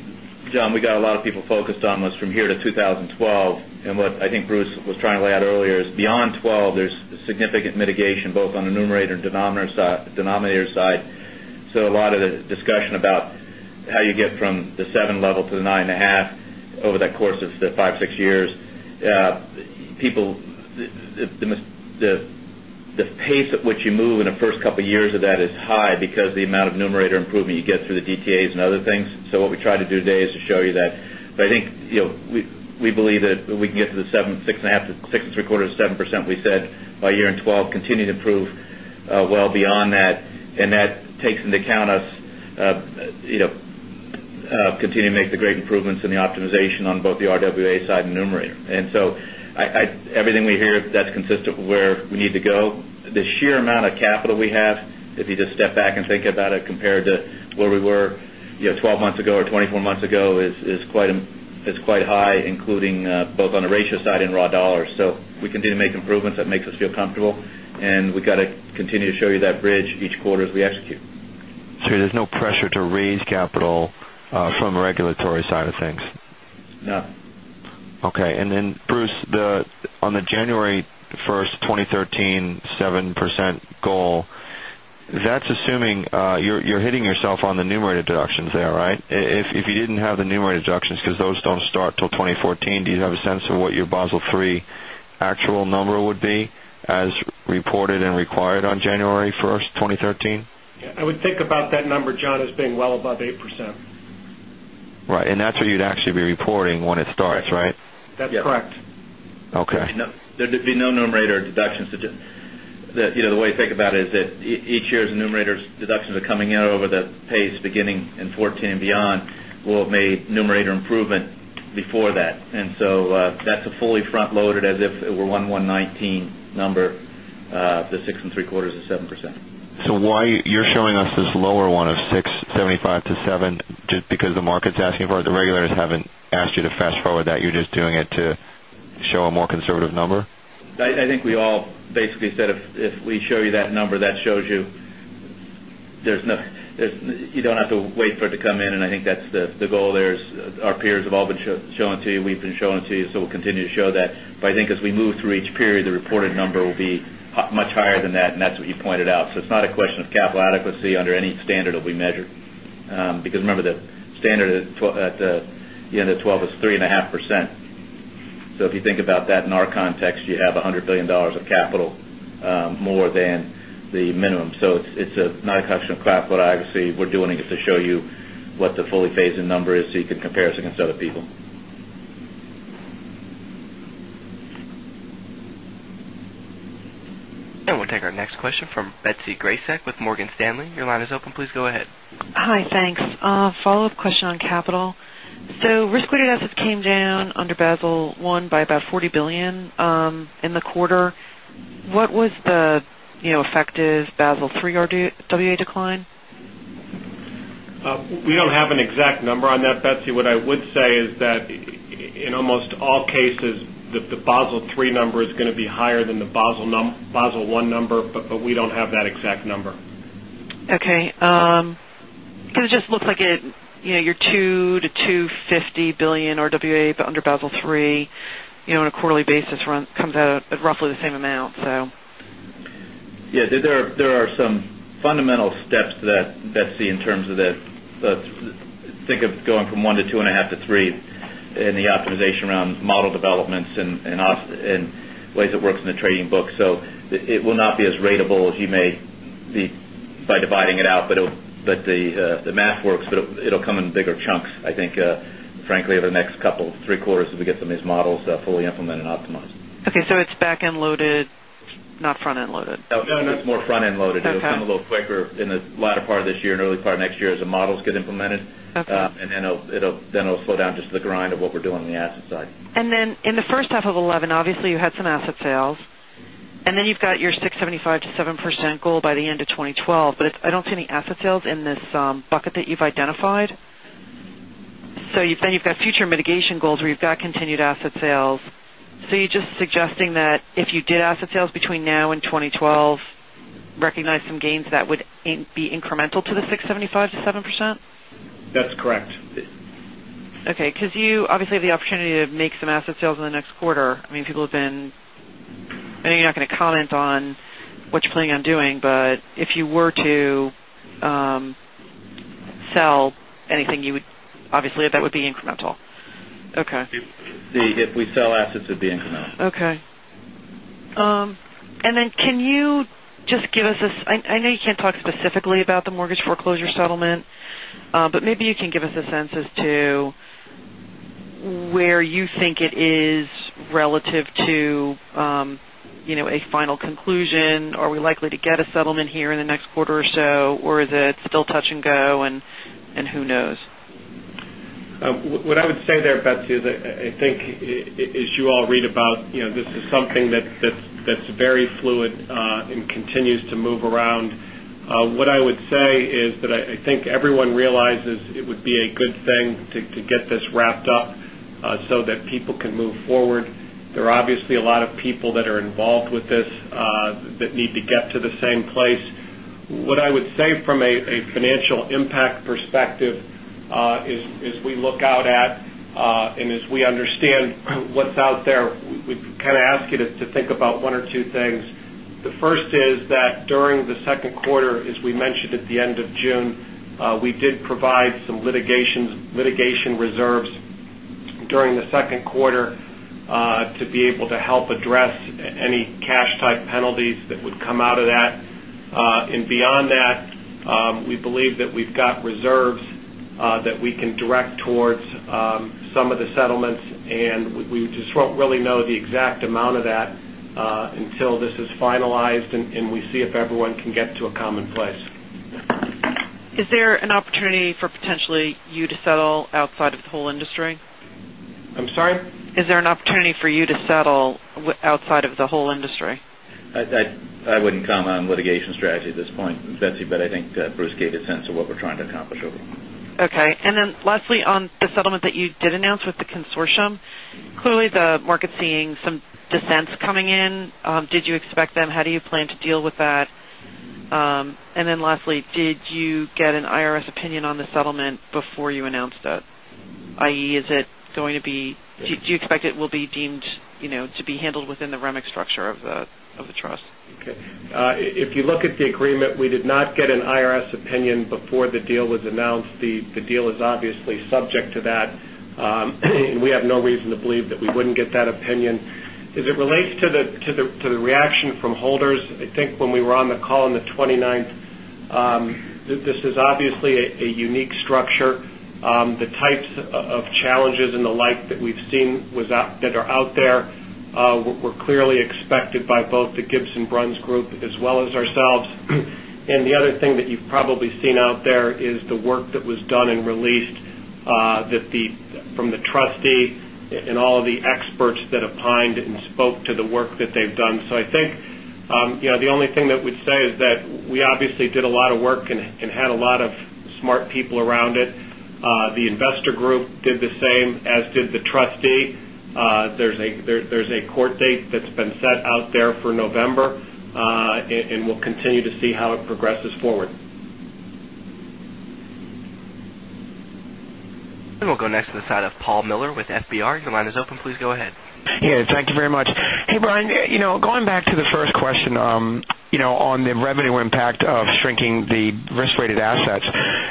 John, we got a lot of people focused on was from here to 2012. What I think Bruce was trying to lay out earlier is beyond 2012, there's significant mitigation both on the numerator and denominator side. A lot of the discussion about how you get from the 7% level to the 9.5% over the course of the five, six years, the pace at which you move in the first couple of years of that is high because of the amount of numerator improvement you get through the DTAs and other things. What we try to do today is to show you that. I think we believe that we can get to the 7%, 6.5% to 6.75% or 7% we said by year-end 2012, continue to improve well beyond that. That takes into account us continuing to make the great improvements in the optimization on both the RWA side and numerator. Everything we hear, that's consistent with where we need to go. The sheer amount of capital we have, if you just step back and think about it compared to where we were 12 months ago or 24 months ago, is quite high, including both on the ratio side and raw dollars. We continue to make improvements that make us feel comfortable. We got to continue to show you that bridge each quarter as we execute. There's no pressure to raise capital from the regulatory side of things? No. Okay. Bruce, on the January 1, 2013, 7% goal, that's assuming you're hitting yourself on the numerator deductions there, right? If you didn't have the numerator deductions because those don't start until 2014, do you have a sense of what your Basel III actual number would be as reported and required on January 1, 2013? Yeah. I would think about that number, John, as being well above 8%. Right. That's what you'd actually be reporting when it starts, right? That's correct. Okay. There'd be no numerator deductions. The way to think about it is if each year's numerator deductions are coming in over the pace beginning in 2014 and beyond, we'll have made numerator improvement before that. That's a fully front-loaded as if it were 1,119 number, the 6.75% or 7%. Why are you showing us this lower one of 6.75%-7%? Just because the market's asking for it? The regulators haven't asked you to fast forward that. You're just doing it to show a more conservative number? I think we all basically said if we show you that number, that shows you you don't have to wait for it to come in. I think that's the goal there. Our peers have all been showing it to you. We've been showing it to you. We'll continue to show that. As we move through each period, the reported number will be much higher than that. That's what you pointed out. It's not a question of capital adequacy under any standard that we measure. Remember, the standard at the end of 2012 was 3.5%. If you think about that in our context, you have $100 billion of capital more than the minimum. It's not a question of capital adequacy. We're doing it to show you what the fully phased-in number is so you can compare us against other people. We will take our next question from Betsy Graseck with Morgan Stanley. Your line is open. Please go ahead. Hi. Thanks. Follow-up question on capital. Risk-weighted assets came down under Basel I by about $40 billion in the quarter. What was the effective Basel III RWA decline? We don't have an exact number on that, Betsy. What I would say is that in almost all cases, the Basel III number is going to be higher than the Basel I number, but we don't have that exact number. Okay. Because it just looks like your $2 billion-$250 billion RWA under Basel III on a quarterly basis comes out at roughly the same amount. Yeah. There are some fundamental steps to that, Betsy, in terms of that. Think of going from 1%-2.5%-3% in the optimization around model developments and ways it works in the trading book. It will not be as ratable as you may be by dividing it out, but the math works. It'll come in bigger chunks, I think, frankly, over the next couple of three quarters as we get some of these models fully implemented and optimized. Okay. It's back-end loaded, not front-end loaded? It's more front-end loaded. It'll come a little quicker in the latter part of this year and early part of next year as the models get implemented. Then it'll slow down just to the grind of what we're doing on the asset side. In the first half of 2011, obviously, you had some asset sales. You have your 6.75%-7% goal by the end of 2012. I do not see any asset sales in this bucket that you have identified. You have future mitigation goals where you have continued asset sales. You are just suggesting that if you did asset sales between now and 2012, recognize some gains, that would be incremental to the 6.75%-7%? That's correct. Okay. Because you obviously have the opportunity to make some asset sales in the next quarter. I mean, people have been, I know you're not going to comment on what you're planning on doing, but if you were to sell anything, you would obviously, that would be incremental. Okay. If we sell assets, it'd be incremental. Okay. Can you just give us a, I know you can't talk specifically about the mortgage foreclosure settlement, but maybe you can give us a sense as to where you think it is relative to a final conclusion. Are we likely to get a settlement here in the next quarter or so, or is it still touch and go, and who knows? What I would say there, Betsy, is I think as you all read about, this is something that's very fluid and continues to move around. What I would say is that I think everyone realizes it would be a good thing to get this wrapped up so that people can move forward. There are obviously a lot of people that are involved with this that need to get to the same place. What I would say from a financial impact perspective is we look out at and as we understand what's out there, we kind of ask you to think about one or two things. The first is that during the second quarter, as we mentioned at the end of June, we did provide some litigation reserves during the second quarter to be able to help address any cash-type penalties that would come out of that. Beyond that, we believe that we've got reserves that we can direct towards some of the settlements, and we just won't really know the exact amount of that until this is finalized and we see if everyone can get to a common place. Is there an opportunity for potentially you to settle outside of the whole industry? I'm sorry? Is there an opportunity for you to settle outside of the whole industry? I wouldn't comment on litigation strategy at this point, Betsy, but I think Bruce gave a sense of what we're trying to accomplish. Okay. Lastly, on the settlement that you did announce with the consortium, clearly the market's seeing some dissent coming in. Did you expect them? How do you plan to deal with that? Lastly, did you get an IRS opinion on the settlement before you announced it? I.e., do you expect it will be deemed to be handled within the remix structure of the trust? Okay. If you look at the agreement, we did not get an IRS opinion before the deal was announced. The deal is obviously subject to that, and we have no reason to believe that we wouldn't get that opinion. As it relates to the reaction from holders, I think when we were on the call on the 29th, this is obviously a unique structure. The types of challenges and the like that we've seen that are out there were clearly expected by both the Gibson Bruns Group as well as ourselves. The other thing that you've probably seen out there is the work that was done and released from the trustee and all of the experts that opined and spoke to the work that they've done. I think the only thing that we'd say is that we obviously did a lot of work and had a lot of smart people around it. The investor group did the same, as did the trustee. There's a court date that's been set out there for November, and we'll continue to see how it progresses forward. We will go next to the line of Paul Miller with FBR. Your line is open. Please go ahead. Yeah. Thank you very much. Hey, Brian. Going back to the first question on the revenue impact of shrinking the risk-weighted assets,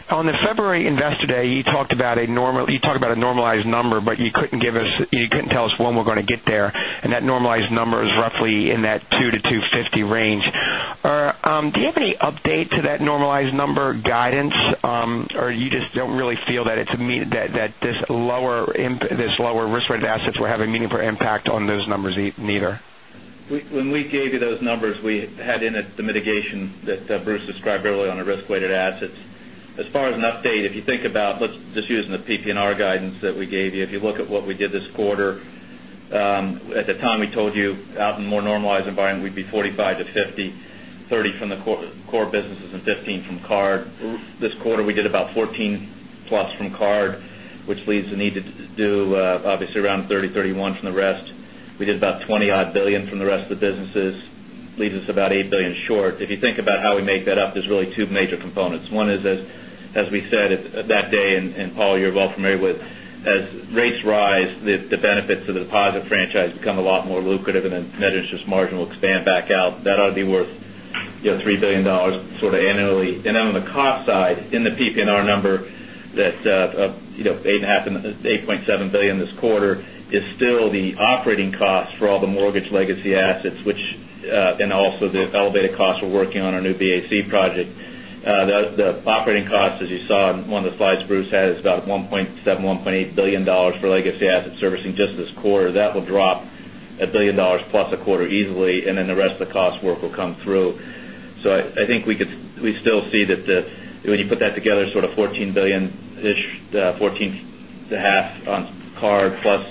on the February Investor Day, you talked about a normalized number, but you couldn't give us—you couldn't tell us when we're going to get there. That normalized number is roughly in that $2 billion-$250 billion range. Do you have any update to that normalized number guidance, or do you just not really feel that it's a meeting that this lower risk-weighted assets will have a meaningful impact on those numbers either? When we gave you those numbers, we had in it the mitigation that Bruce described earlier on the risk-weighted assets. As far as an update, if you think about let's just use the PP&R guidance that we gave you. If you look at what we did this quarter, at the time we told you out in a more normalized environment, we'd be $45 biliion-$50 billion, $30 billion from the core businesses and $15 billion from card. This quarter, we did about $14 billion plus from card, which leaves the need to do obviously around $30, $31 billion from the rest. We did about $20 billion odd from the rest of the businesses, leaves us about $8 billion short. If you think about how we make that up, there's really two major components. One is, as we said that day and Paul, you're well familiar with, as rates rise, the benefits of the positive franchise become a lot more lucrative, and the net interest margin will expand back out. That ought to be worth $3 billion sort of annually. On the cost side, in the PP&R number that's $8.7 billion this quarter is still the operating costs for all the mortgage legacy assets, which, and also the elevated costs we're working on our New BAC project. The operating costs, as you saw in one of the slides Bruce had, is about $1.7 billion-$1.8 billion for legacy asset servicing just this quarter. That will drop $1 billion plus a quarter easily, and the rest of the cost work will come through. I think we still see that when you put that together, sort of $14 billion-ish, $14.5 billion on card plus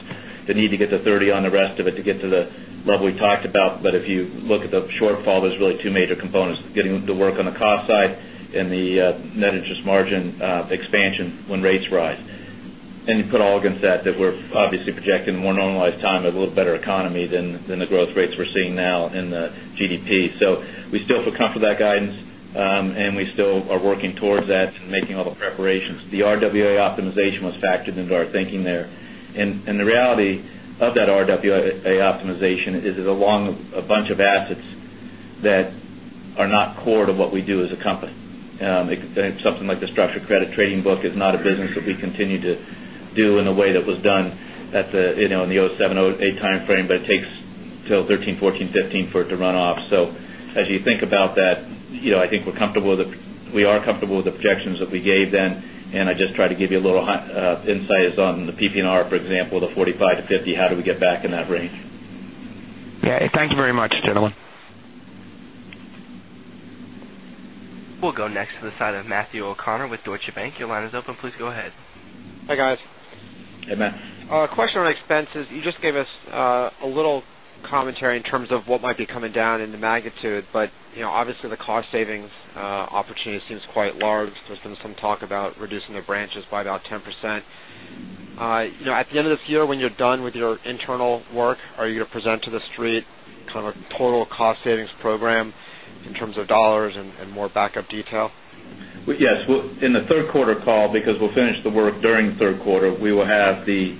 the need to get to $30 billion on the rest of it to get to the level we talked about. If you look at the shortfall, there's really two major components: getting to work on the cost side and the net interest margin expansion when rates rise. You put all against that that we're obviously projecting a more normalized time, a little better economy than the growth rates we're seeing now in the GDP. We still feel comfortable with that guidance, and we still are working towards that and making all the preparations. The RWA optimization was factored into our thinking there. The reality of that RWA optimization is it's along a bunch of assets that are not core to what we do as a company. It's something like the structured credit trading book is not a business that we continue to do in a way that was done in the 2007, 2008 timeframe, but it takes till 2013, 2014, 2015 for it to run off. As you think about that, I think we're comfortable with it. We are comfortable with the projections that we gave then. I just try to give you a little insight on the PP&R, for example, the 45%-50%, how do we get back in that range? Thank you very much, gentlemen. We'll go next to Matthew O'Connor with Deutsche Bank. Your line is open. Please go ahead. Hi, guys. Hey, Matt. A question on expenses. You just gave us a little commentary in terms of what might be coming down in the magnitude, but obviously, the cost savings opportunity seems quite large. There's been some talk about reducing the branches by about 10%. At the end of this year, when you're done with your internal work, are you going to present to the street kind of a total cost savings program in terms of dollars and more backup detail? In the third quarter call, because we'll finish the work during third quarter, we will have the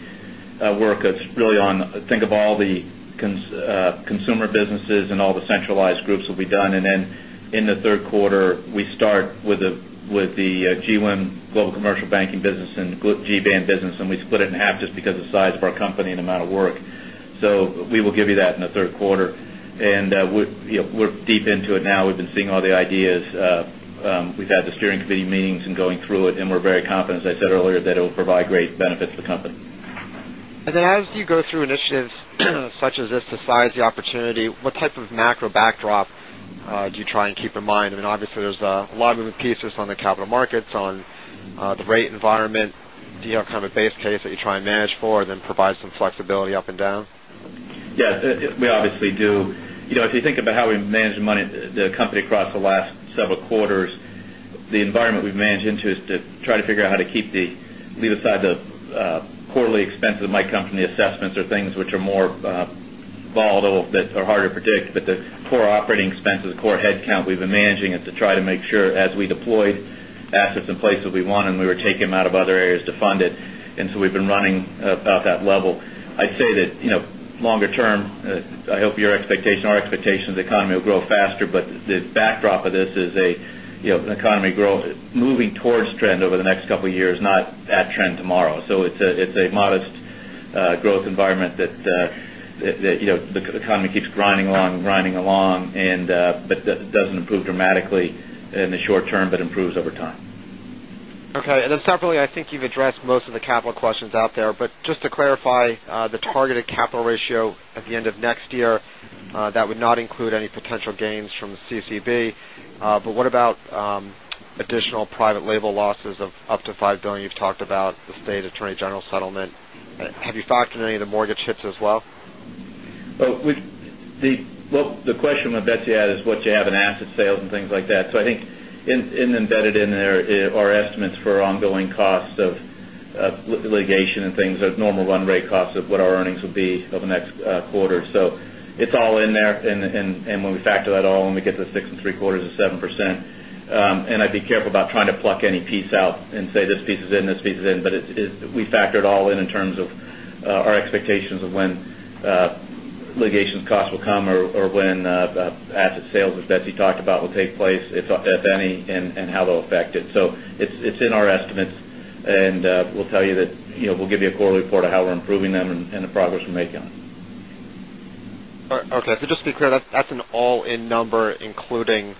work that's really on, think of all the consumer businesses and all the centralized groups, will be done. In the third quarter, we start with the Global Wealth Management, Global Commercial Banking Business, and GBAM Business. We split it in half just because of the size of our company and the amount of work. We will give you that in the third quarter. We're deep into it now. We've been seeing all the ideas. We've had the steering committee meetings and going through it, and we're very confident, as I said earlier, that it will provide great benefits to the company. As you go through initiatives such as this to size the opportunity, what type of macro backdrop do you try and keep in mind? There are a lot of moving pieces on the capital markets, on the rate environment. Do you have kind of a base case that you try and manage for and then provide some flexibility up and down? Yeah. We obviously do. You know, if you think about how we managed money, the company across the last several quarters, the environment we've managed into is to try to figure out how to keep the, leave aside the quarterly expenses that might come from the assessments or things which are more volatile, that are harder to predict. The core operating expenses, the core headcount we've been managing is to try to make sure as we deployed assets in places we wanted and we were taking them out of other areas to fund it. We've been running about that level. I'd say that, you know, longer term, I hope your expectation, our expectation is the economy will grow faster, but the backdrop of this is an economy growing, moving towards trend over the next couple of years, not at trend tomorrow. It's a modest growth environment that the economy keeps grinding along and grinding along, but it doesn't improve dramatically in the short term, but improves over time. Okay. I think you've addressed most of the capital questions out there. Just to clarify, the targeted capital ratio at the end of next year would not include any potential gains from the CCB. What about additional private label losses of up to $5 billion you've talked about, the state attorney general settlement? Have you factored in any of the mortgage hits as well? The question I'm going to bet you at is what you have in asset sales and things like that. I think embedded in there are estimates for ongoing costs of litigation and things of normal run rate costs of what our earnings would be over the next quarter. It's all in there. When we factor that all in, we get the 6.75% or 7%. I'd be careful about trying to pluck any piece out and say this piece is in, this piece is in. We factor it all in in terms of our expectations of when litigation costs will come or when asset sales, as Betsy talked about, will take place, if any, and how they'll affect it. It's in our estimates. We'll tell you that we'll give you a quarterly report of how we're improving them and the progress we're making on it. Okay. Just to be clear, that's an all-in number, including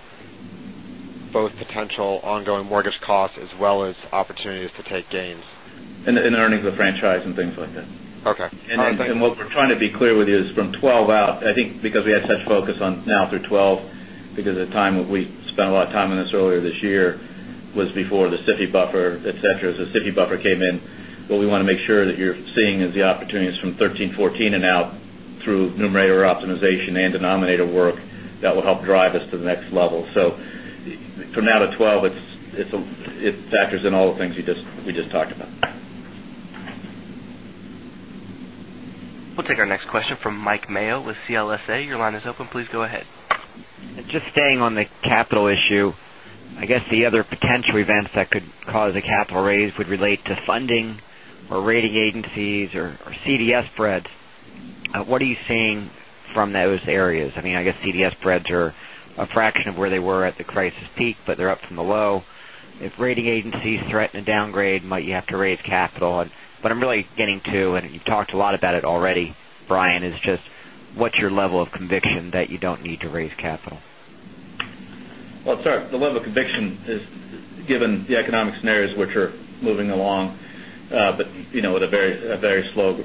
both potential ongoing mortgage costs as well as opportunities to take gains? Earnings of the franchise and things like that. Okay. What we're trying to be clear with you is from 2012 out, I think because we had such focus on now through 2012, because of the time we spent a lot of time on this earlier this year was before the SIFI buffer, etc. As the SIFI buffer came in, what we want to make sure that you're seeing is the opportunities from 2013, 2014 and out through numerator optimization and denominator work that will help drive us to the next level. From now to 2012, it factors in all the things we just talked about. We'll take our next question from Mike Mayo with CLSA. Your line is open. Please go ahead. Just staying on the capital issue, I guess the other potential events that could cause a capital raise would relate to funding, rating agencies, or CDS spreads. What are you seeing from those areas? I mean, I guess CDS spreads are a fraction of where they were at the crisis peak, but they're up from below. If rating agencies threaten a downgrade, might you have to raise capital? I'm really getting to, and you've talked a lot about it already, Brian, just what's your level of conviction that you don't need to raise capital? The level of conviction is given the economic scenarios which are moving along, but you know at a very slow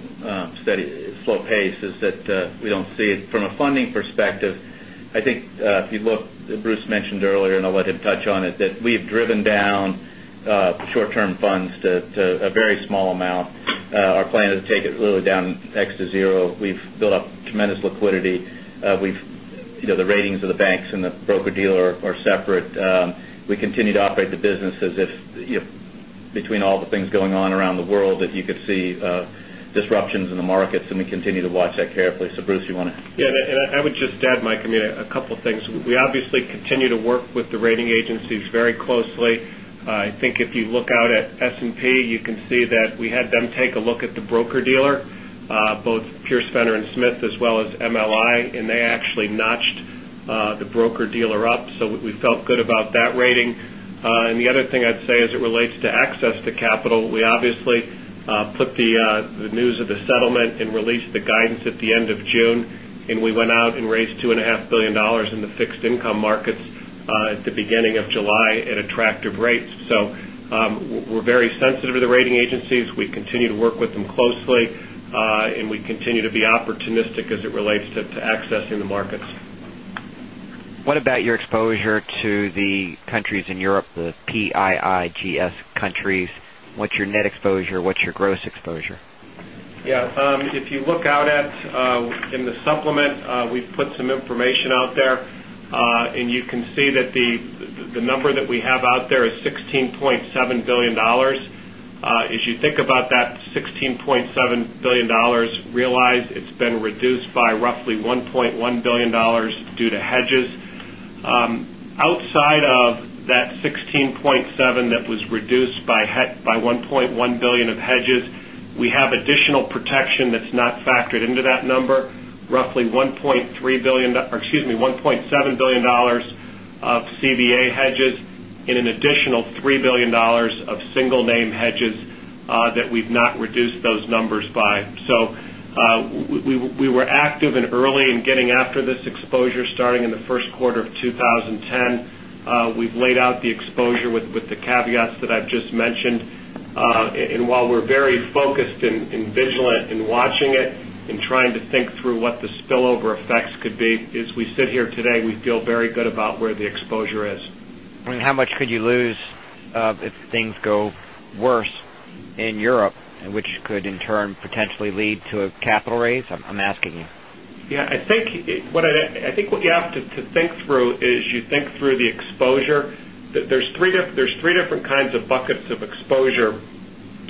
pace is that we don't see it from a funding perspective. I think if you look, Bruce mentioned earlier, and I'll let him touch on it, that we've driven down short-term funds to a very small amount. Our plan is to take it really down X to zero. We've built up tremendous liquidity. The ratings of the banks and the broker-dealer are separate. We continue to operate the business as if between all the things going on around the world, if you could see disruptions in the markets, and we continue to watch that carefully. Bruce, you want to? Yeah. I would just add, Mike, I mean, a couple of things. We obviously continue to work with the rating agencies very closely. I think if you look out at S&P, you can see that we had them take a look at the broker-dealer, both Pierce Fenner and Smith, as well as MLI, and they actually notched the broker-dealer up. We felt good about that rating. The other thing I'd say as it relates to access to capital, we obviously put the news of the settlement and released the guidance at the end of June, and we went out and raised $2.5 billion in the fixed income markets at the beginning of July at attractive rates. We're very sensitive to the rating agencies. We continue to work with them closely, and we continue to be opportunistic as it relates to accessing the markets. What about your exposure to the countries in Europe, the PIIGS countries? What's your net exposure? What's your gross exposure? Yeah. If you look out at in the supplement, we put some information out there, and you can see that the number that we have out there is $16.7 billion. As you think about that $16.7 billion, realize it's been reduced by roughly $1.1 billion due to hedges. Outside of that $16.7 billion that was reduced by $1.1 billion of hedges, we have additional protection that's not factored into that number, roughly $1.3 billion, or excuse me, $1.7 billion of CDA hedges, and an additional $3 billion of single-name hedges that we've not reduced those numbers by. We were active and early in getting after this exposure starting in the first quarter of 2010. We've laid out the exposure with the caveats that I've just mentioned. While we're very focused and vigilant in watching it and trying to think through what the spillover effects could be, as we sit here today, we feel very good about where the exposure is. I mean, how much could you lose if things go worse in Europe, which could in turn potentially lead to a capital raise? I'm asking you. Yeah. I think what you have to think through is you think through the exposure. There are three different kinds of buckets of exposure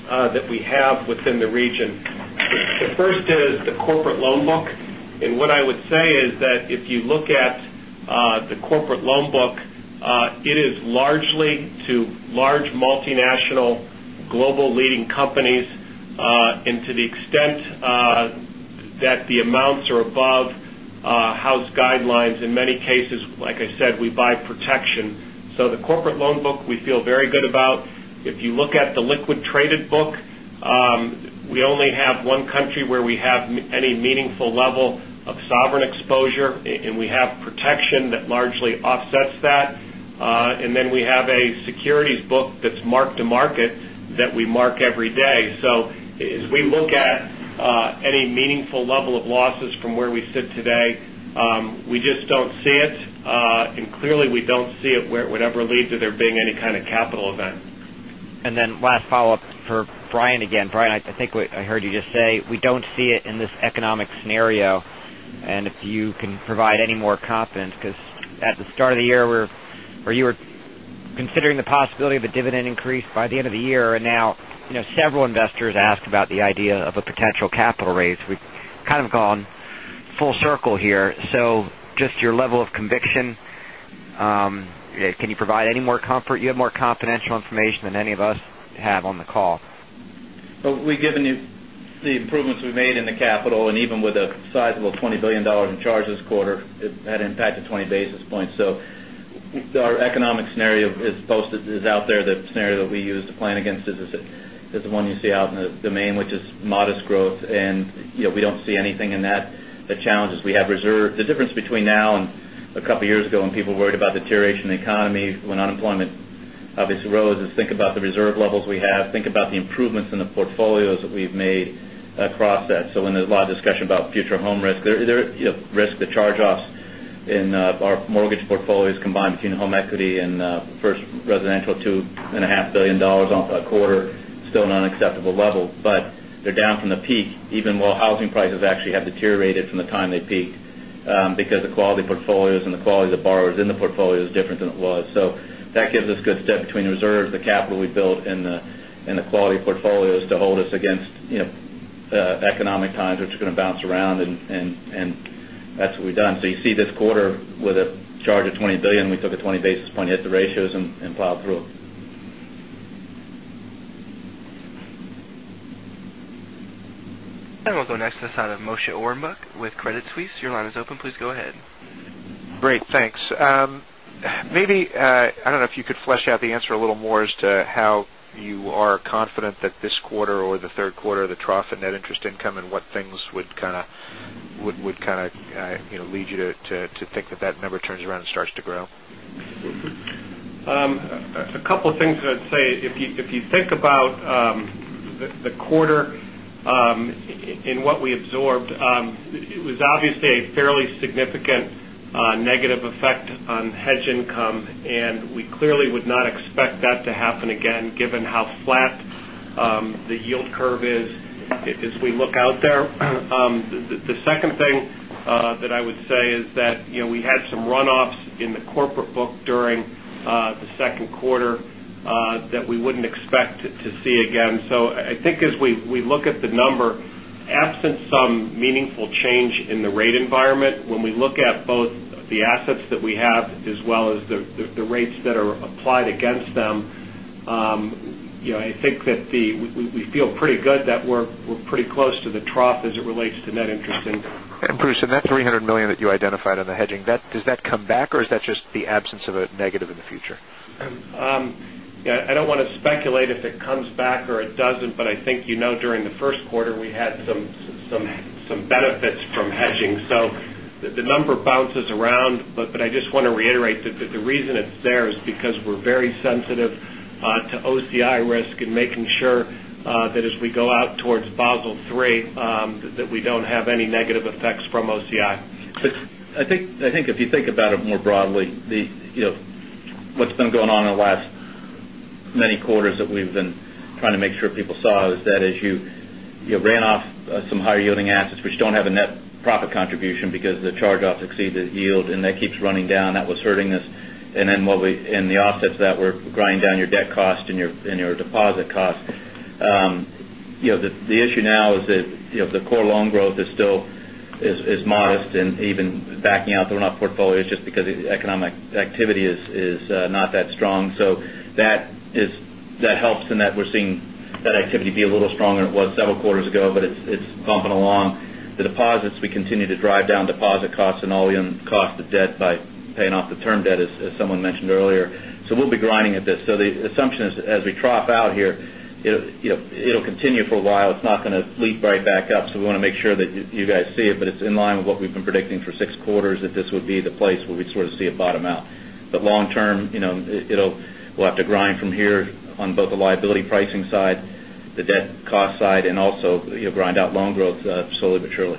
that we have within the region. The first is the corporate loan book. What I would say is that if you look at the corporate loan book, it is largely to large multinational global leading companies, and to the extent that the amounts are above house guidelines, in many cases, like I said, we buy protection. The corporate loan book, we feel very good about. If you look at the liquid traded book, we only have one country where we have any meaningful level of sovereign exposure, and we have protection that largely offsets that. We have a securities book that's marked to market that we mark every day. As we look at any meaningful level of losses from where we sit today, we just don't see it. Clearly, we don't see it whatever leads to there being any kind of capital event. Last follow-up for Brian again. Brian, I think I heard you just say we don't see it in this economic scenario. If you can provide any more confidence, because at the start of the year, you were considering the possibility of a dividend increase by the end of the year, and now several investors ask about the idea of a potential capital raise. We've kind of gone full circle here. Just your level of conviction, can you provide any more comfort? You have more confidential information than any of us have on the call. We have given you the improvements we have made in the capital, and even with a sizable $20 billion in charges this quarter, it had impacted 20 basis points. Our economic scenario is posted out there. The scenario that we use to plan against is the one you see out in the domain, which is modest growth. We do not see anything in that that challenges. We have reserves. The difference between now and a couple of years ago when people worried about deterioration in the economy, when unemployment obviously rose, is think about the reserve levels we have. Think about the improvements in the portfolios that we have made across that. When there is a lot of discussion about future home risk, the charge-off in our mortgage portfolios combined between home equity and first residential, $2.5 billion a quarter, still an unacceptable level, but they are down from the peak, even while housing prices actually have deteriorated from the time they peaked, because the quality portfolios and the qualities of borrowers in the portfolios are different than it was. That gives us good step between reserves, the capital we built, and the quality portfolios to hold us against economic times, which are going to bounce around, and that is what we have done. You see this quarter with a charge of $20 billion. We took a 20 basis point hit to the ratios and plowed through it. We will go next to the line of Moshe Orenbuch with Credit Suisse. Your line is open. Please go ahead. Great. Thanks. Maybe I don't know if you could flesh out the answer a little more as to how you are confident that this quarter or the third quarter is the trough in net interest income and what things would kind of lead you to think that that number turns around and starts to grow? A couple of things that I'd say. If you think about the quarter and what we absorbed, it was obviously a fairly significant negative effect on hedge income, and we clearly would not expect that to happen again, given how flat the yield curve is as we look out there. The second thing that I would say is that we had some runoffs in the corporate book during the second quarter that we wouldn't expect to see again. I think as we look at the number, absent some meaningful change in the rate environment, when we look at both the assets that we have as well as the rates that are applied against them, I think that we feel pretty good that we're pretty close to the trough as it relates to net interest income. Bruce, that $300 million that you identified on the hedging, does that come back or is that just the absence of a negative in the future? Yeah. I don't want to speculate if it comes back or it doesn't, but I think you know during the first quarter, we had some benefits from hedging. The number bounces around, but I just want to reiterate that the reason it's there is because we're very sensitive to OCI risk and making sure that as we go out towards Basel III, we don't have any negative effects from OCI. I think if you think about it more broadly, what's been going on in the last many quarters that we've been trying to make sure people saw, it was that as you ran off some higher yielding assets, which don't have a net profit contribution because the charge-offs exceed the yield, and that keeps running down, that was hurting us. While we, in the offsets, that we're grinding on. Your debt cost and your deposit cost. The issue now is that the core loan growth is still modest and even backing out thrown off portfolios just because the economic activity is not that strong. That helps in that we're seeing that activity be a little stronger than it was several quarters ago, but it's bumping along. The deposits, we continue to drive down deposit costs and all the cost of debt by paying off the term debt, as someone mentioned earlier. We'll be grinding at this. The assumption is as we drop out here, it'll continue for a while. It's not going to leap right back up. We want to make sure that you guys see it, but it's in line with what we've been predicting for six quarters that this would be the place where we sort of see a bottom out. Long term, we'll have to grind from here on both the liability pricing side, the debt cost side, and also grind out loan growth slowly but surely.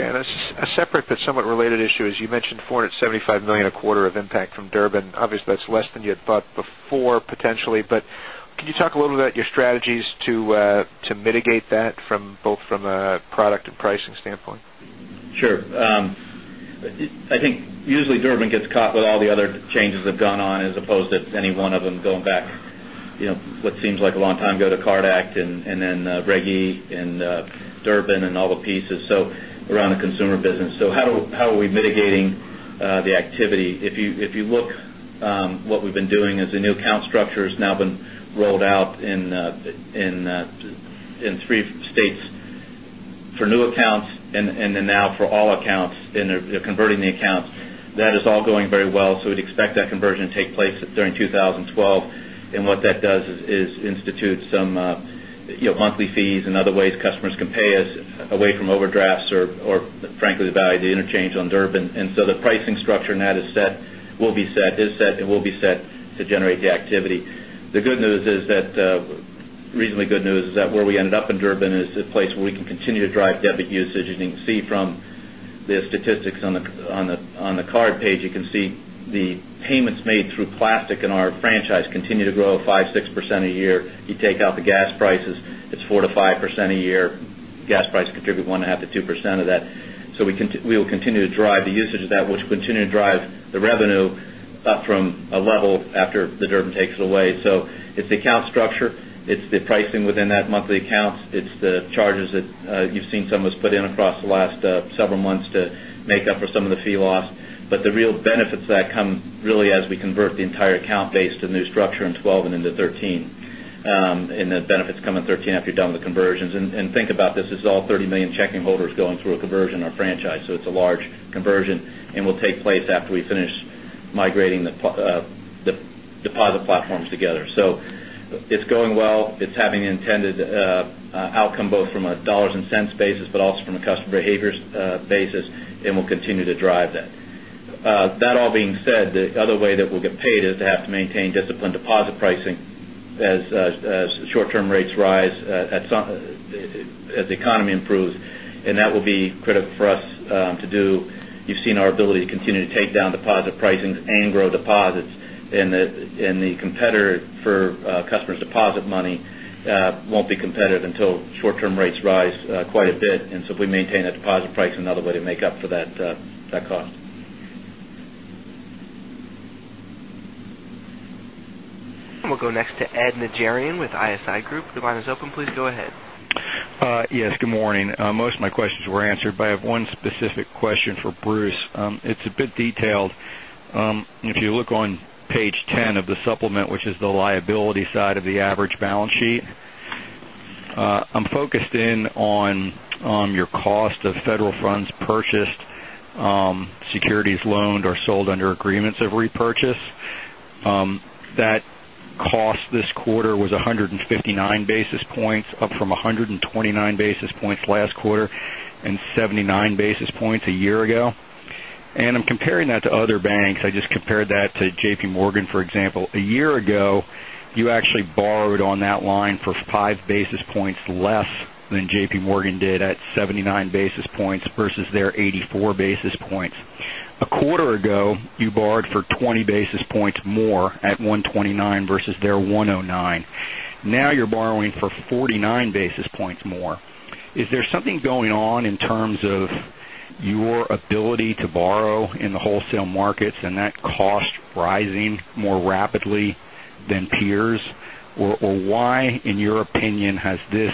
A separate but somewhat related issue is you mentioned $475 million a quarter of impact from the Durbin Amendment. Obviously, that's less than you had thought before potentially, but can you talk a little bit about your strategies to mitigate that from both a product and pricing standpoint? Sure. I think usually Durbin gets caught with all the other changes that have gone on as opposed to any one of them going back, you know, what seems like a long time ago to CARD Act and then Reg E and Durbin and all the pieces around the consumer business. How are we mitigating the activity? If you look at what we've been doing as a new account structure has now been rolled out in three states for new accounts and then now for all accounts and they're converting the accounts. That is all going very well. We'd expect that conversion to take place during 2012. What that does is institute some monthly fees and other ways customers can pay us away from overdrafts or, frankly, the value of the interchange on Durbin. The pricing structure now is set, will be set, is set, and will be set to generate the activity. The good news is that, reasonably good news is that where we ended up in Durbin is a place where we can continue to drive debit usage. You can see from the statistics on the card page, you can see the payments made through plastic in our franchise continue to grow 5%, 6% a year. You take out the gas prices, it's 4%-5% a year. Gas prices contribute 1.5%-2% of that. We will continue to drive the usage of that, which will continue to drive the revenue up from a level after the Durbin takes it away. It's the account structure, it's the pricing within that monthly accounts, it's the charges that you've seen some of us put in across the last several months to make up for some of the fee loss. The real benefits of that come really as we convert the entire account base to the new structure in 2012 and into 2013. The benefits come in 2013 after you're done with the conversions. Think about this, this is all 30 million checking holders going through a conversion in our franchise. It's a large conversion and will take place after we finish migrating the deposit platforms together. It's going well. It's having an intended outcome both from a dollars and cents basis, but also from a customer behavior basis. We'll continue to drive that. That all being said, the other way that we'll get paid is to have to maintain disciplined deposit pricing as short-term rates rise as the economy improves. That will be critical for us to do. You've seen our ability to continue to take down deposit pricings and grow deposits. The competitor for customers' deposit money won't be competitive until short-term rates rise quite a bit. If we maintain that deposit price, it's another way to make up for that cost. We'll go next to Erika Najarian with ISI Group. The line is open. Please go ahead. Yes, good morning. Most of my questions were answered, but I have one specific question for Bruce. It's a bit detailed. If you look on page 10 of the supplement, which is the liability side of the average balance sheet, I'm focused in on your cost of federal funds purchased, securities loaned or sold under agreements of repurchase. That cost this quarter was 159 basis points, up from 129 basis points last quarter and 79 basis points a year ago. I'm comparing that to other banks. I just compared that to JPMorgan, for example. A year ago, you actually borrowed on that line for 5 basis points less than JPMorgan did at 79 basis points versus their 84 basis points. A quarter ago, you borrowed for 20 basis points more at 129 basis points versus their 109 basis points. Now you're borrowing for 49 basis points more. Is there something going on in terms of your ability to borrow in the wholesale markets and that cost rising more rapidly than peers? Why, in your opinion, has this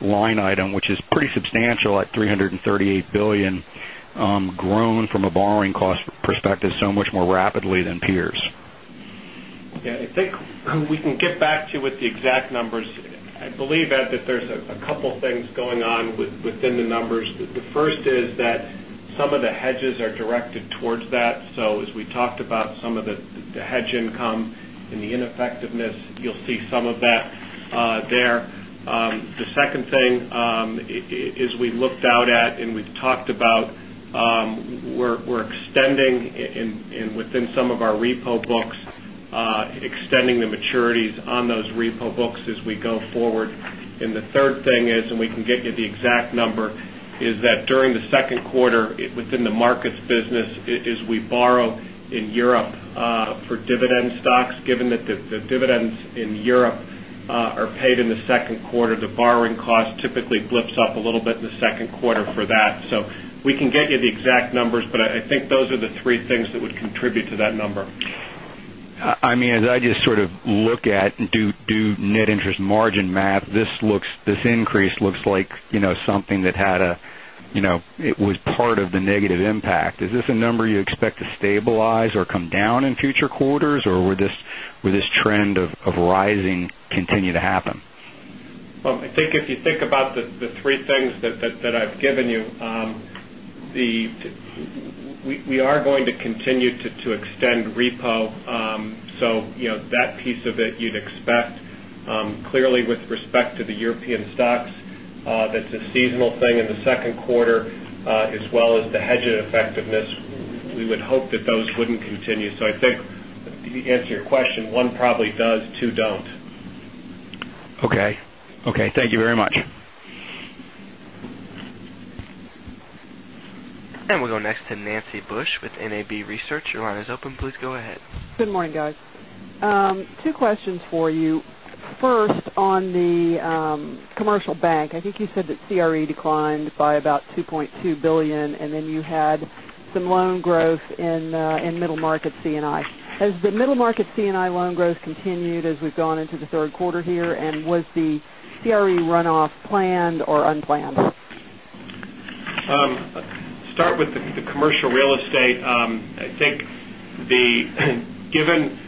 line item, which is pretty substantial at $338 billion, grown from a borrowing cost perspective so much more rapidly than peers? Yeah. I think we can get back to you with the exact numbers. I believe that there's a couple of things going on within the numbers. The first is that some of the hedges are directed towards that. As we talked about some of the hedge income and the ineffectiveness, you'll see some of that there. The second thing is we looked out at and we've talked about we're extending and within some of our repo books, extending the maturities on those repo books as we go forward. The third thing is, and we can get you the exact number, that during the second quarter within the markets business, as we borrow in Europe for dividend stocks, given that the dividends in Europe are paid in the second quarter, the borrowing cost typically lifts up a little bit in the second quarter for that. We can get you the exact numbers, but I think those are the three things that would contribute to that number. As I just sort of look at and do net interest margin math, this increase looks like something that had a, you know, it was part of the negative impact. Is this a number you expect to stabilize or come down in future quarters, or will this trend of rising continue to happen? I think if you think about the three things that I've given you, we are going to continue to extend repo. You know that piece of it you'd expect. Clearly, with respect to the European stocks, that's a seasonal thing in the second quarter, as well as the hedge effectiveness. We would hope that those wouldn't continue. I think if you can answer your question, one probably does, two don't. Okay. Thank you very much. We will go next to Nancy Bush with NAB Research. Your line is open. Please go ahead. Good morning, guys. Two questions for you. First, on the commercial bank, I think you said that CRE declined by about $2.2 billion, and then you had some loan growth in middle market C&I. Has the middle market C&I loan growth continued as we've gone into the third quarter here? Was the CRE runoff planned or unplanned? Start with the commercial real estate. I think given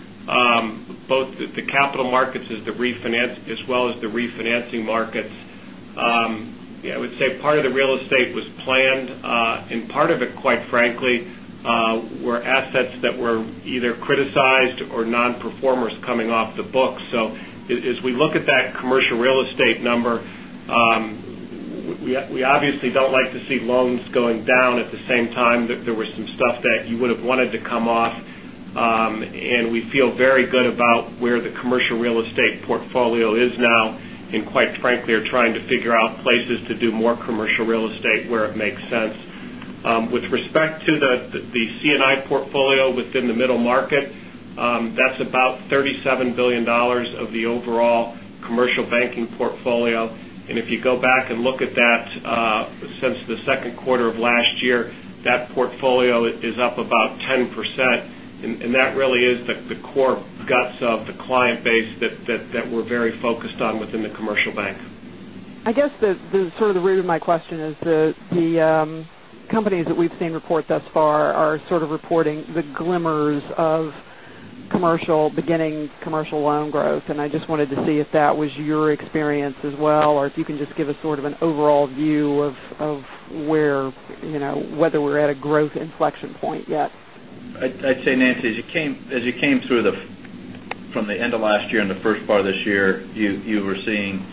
both the capital markets as well as the refinancing markets, I would say part of the real estate was planned. Part of it, quite frankly, were assets that were either criticized or non-performers coming off the books. As we look at that commercial real estate number, we obviously don't like to see loans going down at the same time that there was some stuff that you would have wanted to come off. We feel very good about where the commercial real estate portfolio is now, and quite frankly, are trying to figure out places to do more commercial real estate where it makes sense. With respect to the CNI portfolio within the middle market, that's about $37 billion of the overall commercial banking portfolio. If you go back and look at that since the second quarter of last year, that portfolio is up about 10%. That really is the core guts of the client base that we're very focused on within the commercial bank. I guess the root of my question is the companies that we've seen report thus far are reporting the glimmers of beginning commercial loan growth. I just wanted to see if that was your experience as well, or if you can give us an overall view of whether we're at a growth inflection point yet. I'd say, Nancy, as you came through from the end of last year and the first part of this year, you were seeing,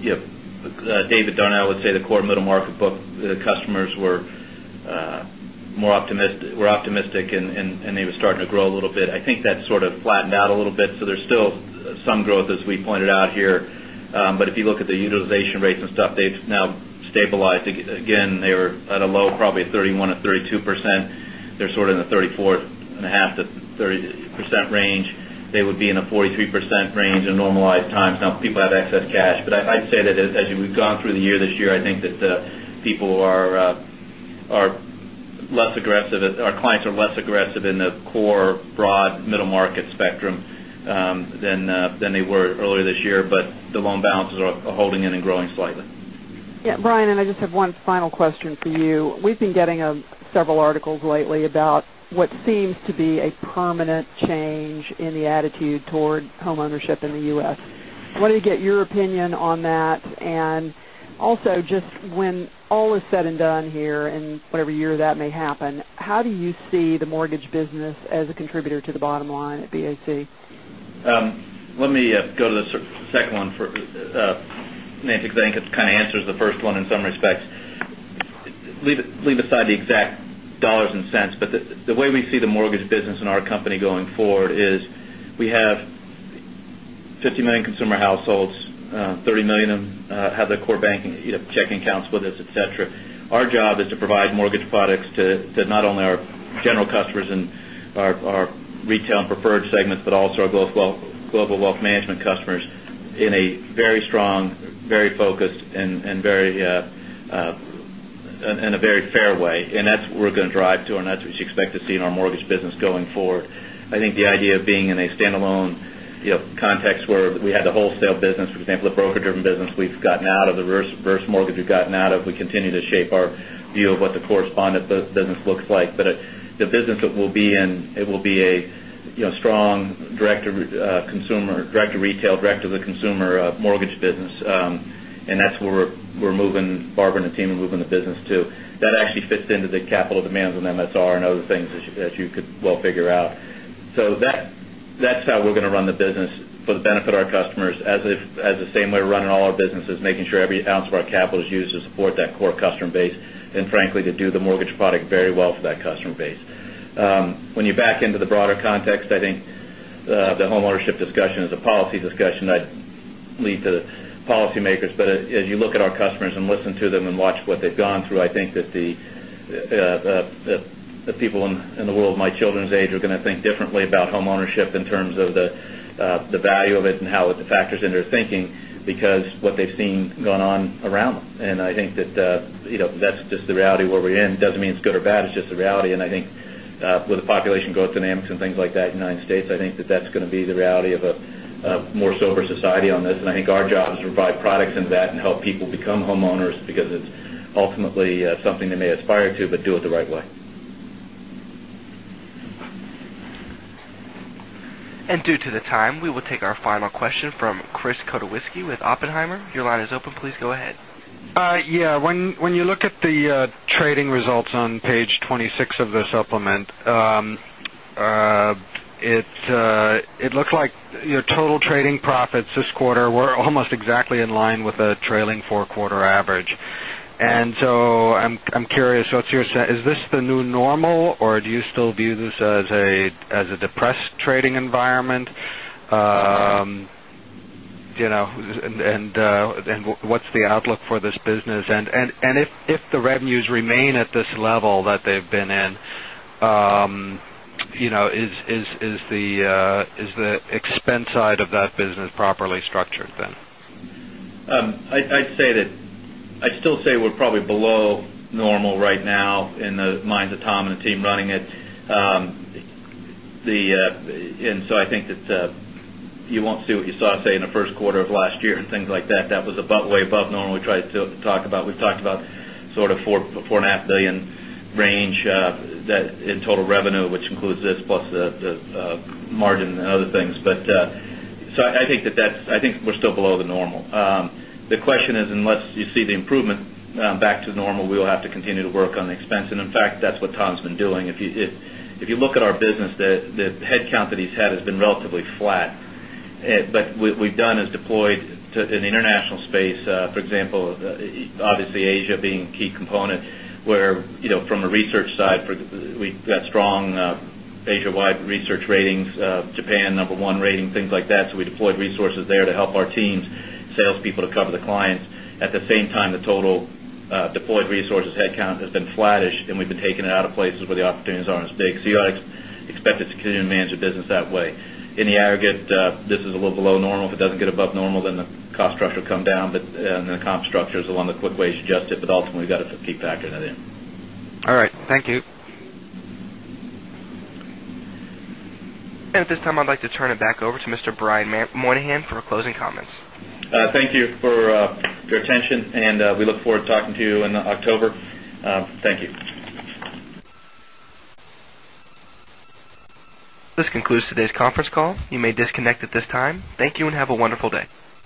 you know, David Darnell would say the core middle market books, the customers were optimistic and they were starting to grow a little bit. I think that sort of flattened out a little bit. There is still some growth, as we pointed out here. If you look at the utilization rates and stuff, they've now stabilized. They were at a low, probably 31%-32%. They're sort of in a 34.5%-35% range. They would be in a 43% range in normal lifetimes. Now, people have access to cash. I'd say that as we've gone through the year this year, I think that the people are less aggressive. Our clients are less aggressive in the core broad middle market spectrum than they were earlier this year. The loan balances are holding in and growing slightly. Yeah. Brian, I just have one final question for you. We've been getting several articles lately about what seems to be a permanent change in the attitude toward homeownership in the U.S. What do you get your opinion on that? Also, just when all is said and done here in whatever year that may happen, how do you see the mortgage business as a contributor to the bottom line at Bank of America? Let me go to the second one. Nancy, I think it kind of answers the first one in some respects. Leave aside the exact dollars and cents, but the way we see the mortgage business in our company going forward is we have 50 million consumer households, 30 million have their core banking checking accounts with us, etc. Our job is to provide mortgage products to not only our general customers and our retail and preferred segments, but also our global wealth management customers in a very strong, very focused, and in a very fair way. That's what we're going to drive to, and that's what you expect to see in our mortgage business going forward. I think the idea of being in a standalone context where we had the wholesale business, for example, the broker-driven business, we've gotten out of the reverse mortgage we've gotten out of. We continue to shape our view of what the correspondent business looks like. The business that we'll be in, it will be a strong direct retail, direct to the consumer mortgage business. That's where we're moving, Barbara and the team are moving the business to. That actually fits into the capital demands on MSR and other things that you could well figure out. That's how we're going to run the business for the benefit of our customers in the same way we're running all our businesses, making sure every ounce of our capital is used to support that core customer base. Frankly, to do the mortgage product very well for that customer base. When you back into the broader context, I think the homeownership discussion is a policy discussion. I lead the policymakers, but as you look at our customers and listen to them and watch what they've gone through, I think that the people in the world of my children's age are going to think differently about homeownership in terms of the value of it and how it factors into their thinking because of what they've seen going on around them. I think that that's just the reality where we're in. It doesn't mean it's good or bad. It's just the reality. I think with the population growth dynamics and things like that in the United States, I think that that's going to be the reality of a more sober society on this. I think our job is to provide products in that and help people become homeowners because it's ultimately something they may aspire to, but do it the right way. Due to the time, we will take our final question from Chris Kotowski with Oppenheimer. Your line is open. Please go ahead. Yeah. When you look at the trading results on page 26 of the supplement, it looks like your total trading profits this quarter were almost exactly in line with the trailing four-quarter average. I'm curious, what's your sense? Is this the new normal or do you still view this as a depressed trading environment? What's the outlook for this business? If the revenues remain at this level that they've been in, is the expense side of that business properly structured then? I'd say that I'd still say we're probably below normal right now in the minds of Tom and the team running it. I think that you won't see what you saw, say, in the first quarter of last year and things like that. That was way above normal. We've talked about sort of $4.5 billion range in total revenue, which includes this plus the margin and other things. I think we're still below the normal. The question is, unless you see the improvement back to normal, we will have to continue to work on the expense. In fact, that's what Tom's been doing. If you look at our business, the headcount that he's had has been relatively flat. What we've done is deployed in the international space, for example, obviously Asia being a key component where, you know, from a research side, we've got strong Asia-wide research ratings, Japan number one rating, things like that. We deployed resources there to help our teams, salespeople to cover the clients. At the same time, the total deployed resources headcount has been flattish and we've been taking it out of places where the opportunities aren't as big. You ought to expect it to continue to manage your business that way. In the aggregate, this is a little below normal. If it doesn't get above normal, then the cost structure will come down. The comp structure is one of the quick ways to adjust it. Ultimately, we've got to keep factoring that in. All right. Thank you. At this time, I'd like to turn it back over to Mr. Brian Moynihan for closing comments. Thank you for your attention. We look forward to talking to you in October. Thank you. This concludes today's conference call. You may disconnect at this time. Thank you and have a wonderful day.